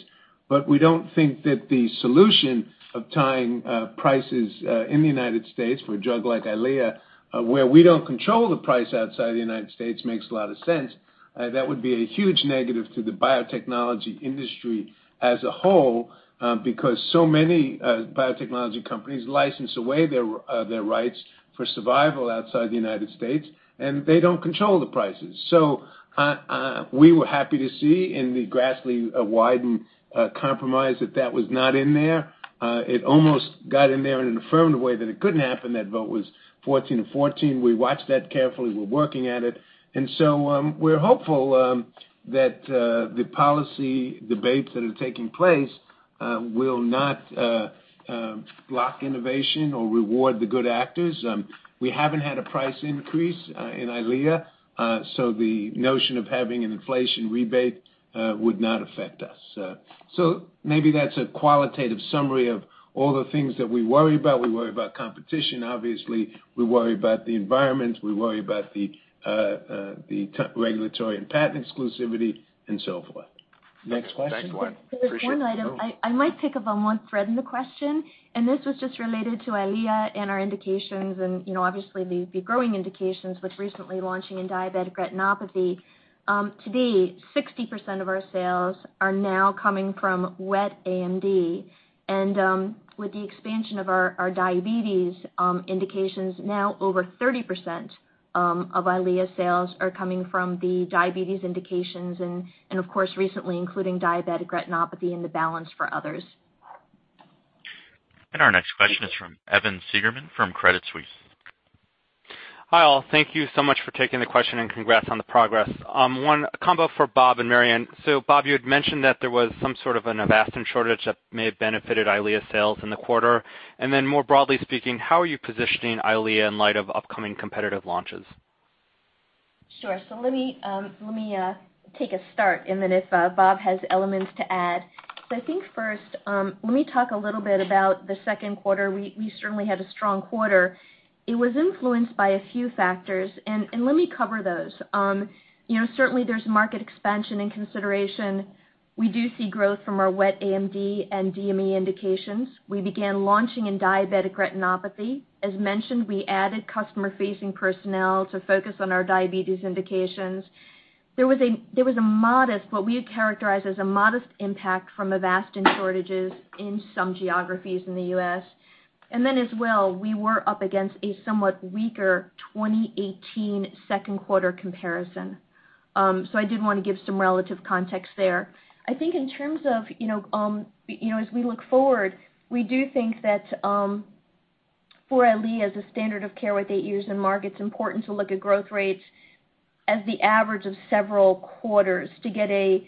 We don't think that the solution of tying prices in the United States for a drug like EYLEA, where we don't control the price outside the United States, makes a lot of sense. That would be a huge negative to the biotechnology industry as a whole, because so many biotechnology companies license away their rights for survival outside the United States, and they don't control the prices. We were happy to see in the Grassley-Wyden compromise that that was not in there. It almost got in there in an affirmed way that it couldn't happen, that vote was 14 to 14. We watched that carefully. We're working at it. We're hopeful that the policy debates that are taking place will not block innovation or reward the good actors. We haven't had a price increase in EYLEA, the notion of having an inflation rebate would not affect us. Maybe that's a qualitative summary of all the things that we worry about. We worry about competition, obviously. We worry about the environment. We worry about the regulatory and patent exclusivity and so forth. Next question. Thanks, Leo. Appreciate it. There's one item. I might pick up on one thread in the question, and this was just related to EYLEA and our indications and obviously the growing indications with recently launching in diabetic retinopathy. To date, 60% of our sales are now coming from wet AMD, and with the expansion of our diabetes indications, now over 30% of EYLEA sales are coming from the diabetes indications and, of course, recently including diabetic retinopathy and the balance for others. Our next question is from Evan Seigerman from Credit Suisse. Hi, all. Thank you so much for taking the question and congrats on the progress. One combo for Bob and Marion. Bob, you had mentioned that there was some sort of an Avastin shortage that may have benefited EYLEA sales in the quarter. More broadly speaking, how are you positioning EYLEA in light of upcoming competitive launches? Sure. Let me take a start and then if Bob has elements to add. I think first, let me talk a little bit about the second quarter. We certainly had a strong quarter. It was influenced by a few factors, and let me cover those. Certainly, there's market expansion in consideration. We do see growth from our wet AMD and DME indications. We began launching in diabetic retinopathy. As mentioned, we added customer-facing personnel to focus on our diabetes indications. There was a modest, what we would characterize as a modest impact from Avastin shortages in some geographies in the U.S. As well, we were up against a somewhat weaker 2018 second quarter comparison. I did want to give some relative context there. I think in terms of as we look forward, we do think that for EYLEA as a standard of care with eight years in market, it's important to look at growth rates as the average of several quarters to get a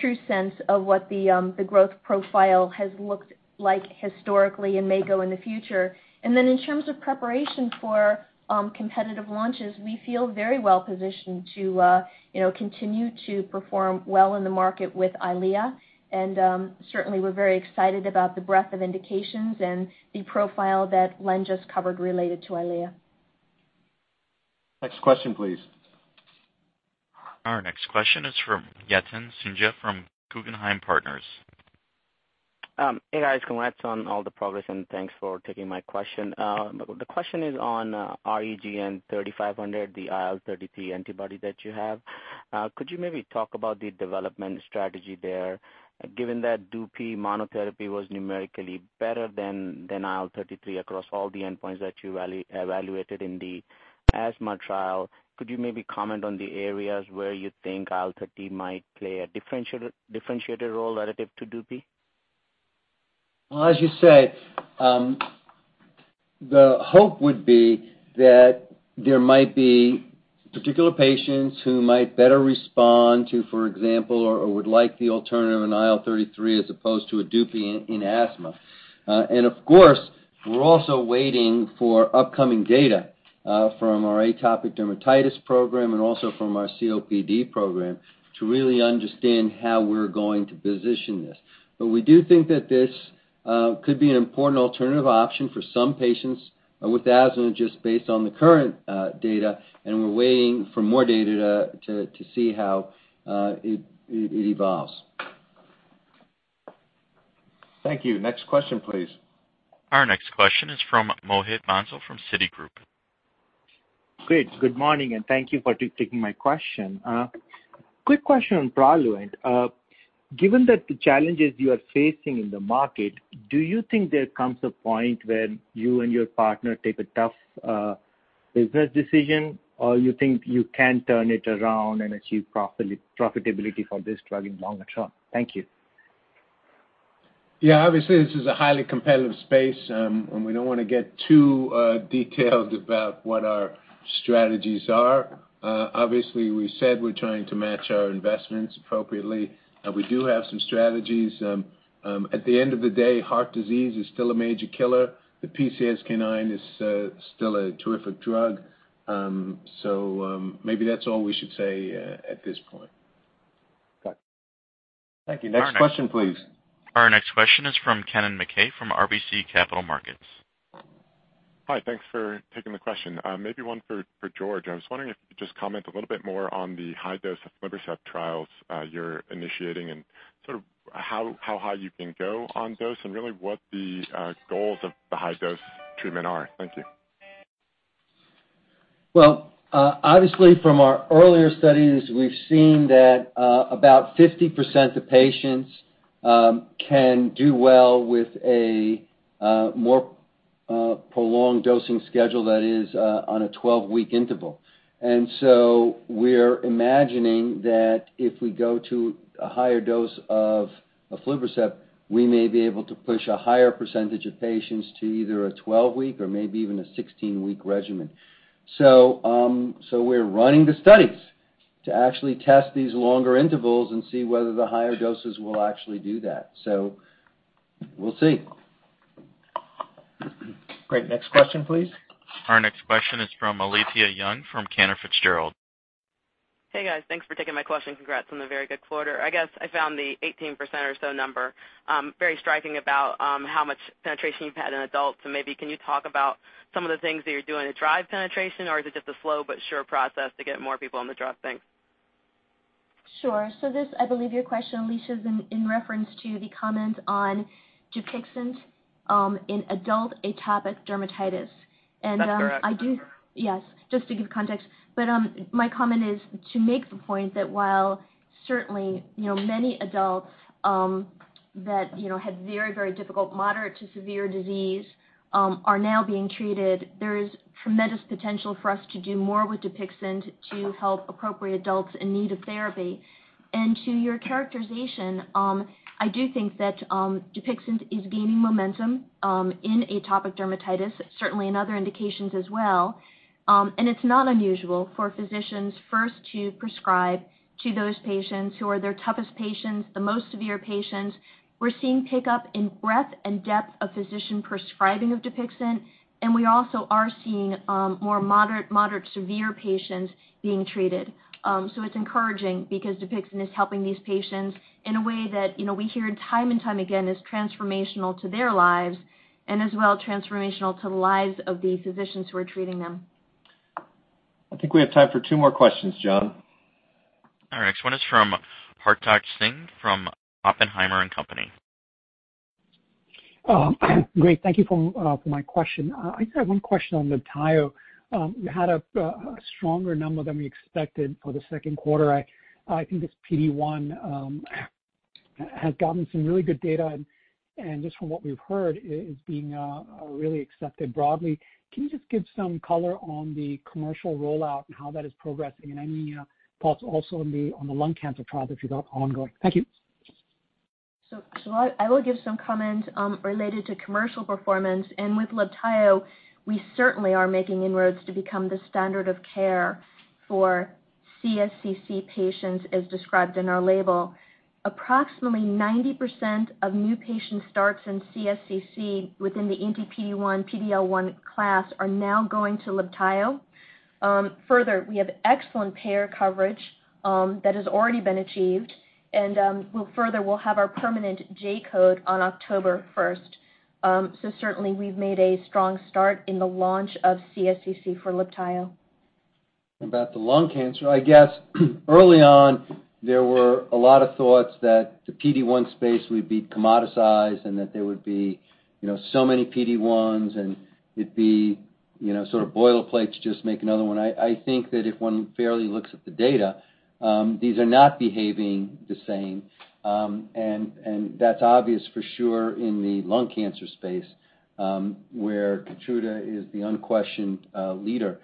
true sense of what the growth profile has looked like historically and may go in the future. In terms of preparation for competitive launches, we feel very well-positioned to continue to perform well in the market with EYLEA. Certainly, we're very excited about the breadth of indications and the profile that Len just covered related to EYLEA. Next question, please. Our next question is from Yatin Suneja from Guggenheim Partners. Hey, guys. Congrats on all the progress and thanks for taking my question. The question is on REGN3500, the IL-33 antibody that you have. Could you maybe talk about the development strategy there, given that DUPIXENT monotherapy was numerically better than IL-33 across all the endpoints that you evaluated in the asthma trial? Could you maybe comment on the areas where you think IL-33 might play a differentiated role relative to DUPIXENT? Well, as you say, the hope would be that there might be particular patients who might better respond to, for example, or would like the alternative in IL-33 as opposed to a DUPIXENT in asthma. Of course, we're also waiting for upcoming data from our atopic dermatitis program and also from our COPD program to really understand how we're going to position this. We do think that this could be an important alternative option for some patients with asthma just based on the current data, and we're waiting for more data to see how it evolves. Thank you. Next question, please. Our next question is from Mohit Bansal from Citigroup. Great. Good morning, and thank you for taking my question. Quick question on PRALUENT. Given that the challenges you are facing in the market, do you think there comes a point where you and your partner take a tough business decision, or you think you can turn it around and achieve profitability for this drug in longer term? Thank you. Yeah. Obviously, this is a highly competitive space, and we don't want to get too detailed about what our strategies are. Obviously, we said we're trying to match our investments appropriately, and we do have some strategies. At the end of the day, heart disease is still a major killer. The PCSK9 is still a terrific drug. Maybe that's all we should say at this point. Got it. Thank you. Next question, please. Our next question is from Kennen MacKay from RBC Capital Markets. Hi. Thanks for taking the question. Maybe one for George. I was wondering if you could just comment a little bit more on the high dose aflibercept trials you're initiating and sort of how high you can go on dose and really what the goals of the high dose treatment are. Thank you. Well, obviously from our earlier studies, we've seen that about 50% of patients can do well with a more prolonged dosing schedule that is on a 12-week interval. We're imagining that if we go to a higher dose of aflibercept, we may be able to push a higher percentage of patients to either a 12-week or maybe even a 16-week regimen. We're running the studies to actually test these longer intervals and see whether the higher doses will actually do that. We'll see. Great. Next question, please. Our next question is from Alethia Young from Cantor Fitzgerald. Hey, guys. Thanks for taking my question. Congrats on the very good quarter. I guess I found the 18% or so number very striking about how much penetration you've had in adults. Maybe can you talk about some of the things that you're doing to drive penetration, or is it just a slow but sure process to get more people on the drug? Thanks. Sure. This, I believe your question, Alethia, is in reference to the comment on DUPIXENT in adult atopic dermatitis. That's correct. Yes, just to give context, my comment is to make the point that while certainly many adults that have very difficult moderate to severe disease are now being treated, there is tremendous potential for us to do more with DUPIXENT to help appropriate adults in need of therapy. To your characterization, I do think that DUPIXENT is gaining momentum in atopic dermatitis, certainly in other indications as well. It's not unusual for physicians first to prescribe to those patients who are their toughest patients, the most severe patients. We're seeing pickup in breadth and depth of physician prescribing of DUPIXENT, and we also are seeing more moderate severe patients being treated. It's encouraging because DUPIXENT is helping these patients in a way that we hear time and time again is transformational to their lives and as well transformational to the lives of the physicians who are treating them. I think we have time for two more questions, John. Our next one is from Hartaj Singh from Oppenheimer and Company. Great. Thank you for my question. I just had one question on LIBTAYO. You had a stronger number than we expected for the second quarter. I think this PD-1 has gotten some really good data and just from what we've heard, is being really accepted broadly. Can you just give some color on the commercial rollout and how that is progressing? Any thoughts also on the lung cancer trial that you got ongoing? Thank you. I will give some comment related to commercial performance. With LIBTAYO, we certainly are making inroads to become the standard of care for CSCC patients as described in our label. Approximately 90% of new patient starts in CSCC within the anti-PD-1, PD-L1 class are now going to LIBTAYO. Further, we have excellent payer coverage that has already been achieved. Further, we'll have our permanent J-code on October 1st. Certainly we've made a strong start in the launch of CSCC for LIBTAYO. About the lung cancer, I guess early on, there were a lot of thoughts that the PD-1 space would be commoditized and that there would be so many PD-1s and it'd be sort of boilerplates, just make another one. I think that if one fairly looks at the data, these are not behaving the same. That's obvious for sure in the lung cancer space, where KEYTRUDA is the unquestioned leader.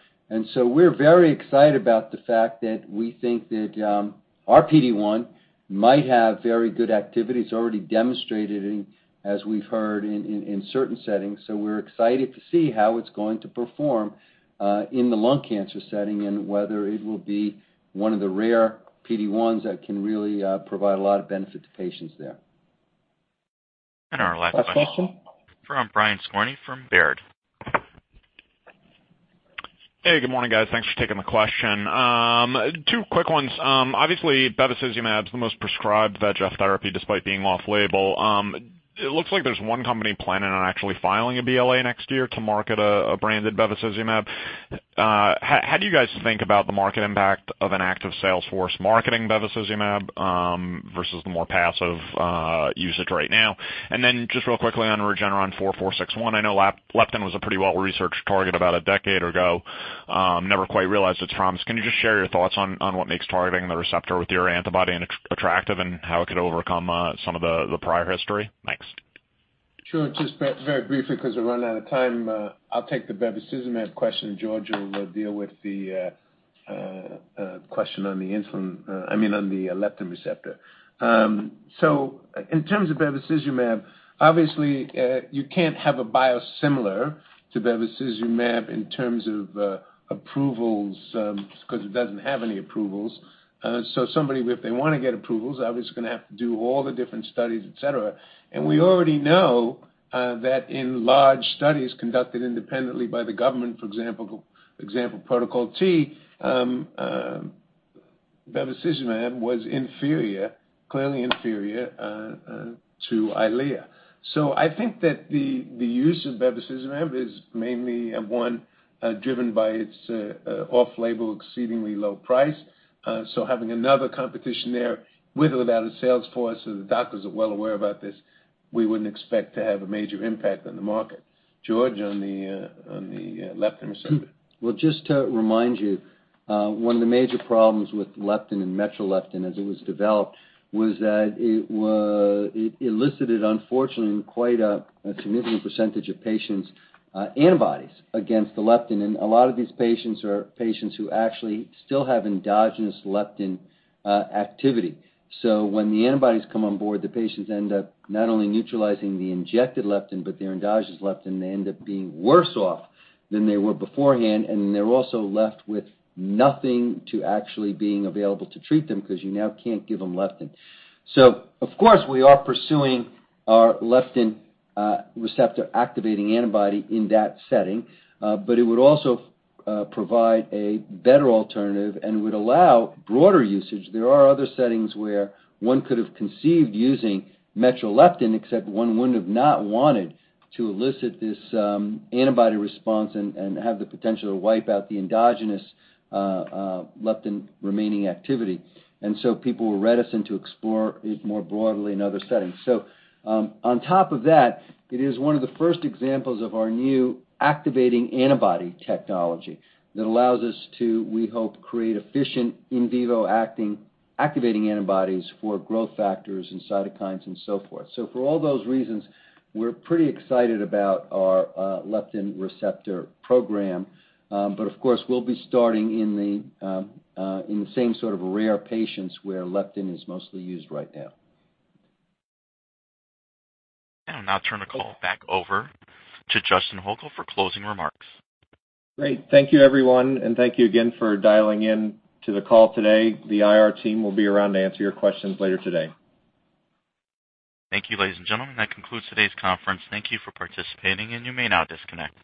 We're very excited about the fact that we think that our PD-1 might have very good activity. It's already demonstrated in, as we've heard, in certain settings. We're excited to see how it's going to perform in the lung cancer setting and whether it will be one of the rare PD-1s that can really provide a lot of benefit to patients there. Our last one. Last question? from Brian Skorney from Baird. Hey, good morning, guys. Thanks for taking the question. Two quick ones. Obviously, bevacizumab is the most prescribed VEGF therapy despite being off label. It looks like there's one company planning on actually filing a BLA next year to market a branded bevacizumab. How do you guys think about the market impact of an active sales force marketing bevacizumab versus the more passive usage right now? Just real quickly on Regeneron 4461, I know leptin was a pretty well-researched target about a decade ago. Never quite realized its promise. Can you just share your thoughts on what makes targeting the receptor with your antibody attractive and how it could overcome some of the prior history? Thanks. Sure. Just very briefly, because we're running out of time. I'll take the bevacizumab question, George will deal with the question on the leptin receptor. In terms of bevacizumab, obviously, you can't have a biosimilar to bevacizumab in terms of approvals, because it doesn't have any approvals. Somebody, if they want to get approvals, obviously going to have to do all the different studies, et cetera. We already know that in large studies conducted independently by the government, for example, Protocol T, bevacizumab was clearly inferior to EYLEA. I think that the use of bevacizumab is mainly one driven by its off-label, exceedingly low price. Having another competition there, with or without a sales force, the doctors are well aware about this, we wouldn't expect to have a major impact on the market. George, on the leptin receptor. Well, just to remind you, one of the major problems with leptin and metreleptin as it was developed was that it elicited, unfortunately, in quite a significant % of patients, antibodies against the leptin. A lot of these patients are patients who actually still have endogenous leptin activity. When the antibodies come on board, the patients end up not only neutralizing the injected leptin, but their endogenous leptin, they end up being worse off than they were beforehand. They're also left with nothing to actually being available to treat them, because you now can't give them leptin. Of course, we are pursuing our leptin receptor activating antibody in that setting. It would also provide a better alternative and would allow broader usage. There are other settings where one could have conceived using metreleptin, except one would have not wanted to elicit this antibody response and have the potential to wipe out the endogenous leptin remaining activity. People were reticent to explore it more broadly in other settings. On top of that, it is one of the first examples of our new activating antibody technology that allows us to, we hope, create efficient in vivo activating antibodies for growth factors and cytokines and so forth. For all those reasons, we're pretty excited about our leptin receptor program. Of course, we'll be starting in the same sort of rare patients where leptin is mostly used right now. I will now turn the call back over to Justin Holko for closing remarks. Great. Thank you, everyone. Thank you again for dialing in to the call today. The IR team will be around to answer your questions later today. Thank you, ladies and gentlemen. That concludes today's conference. Thank you for participating, and you may now disconnect.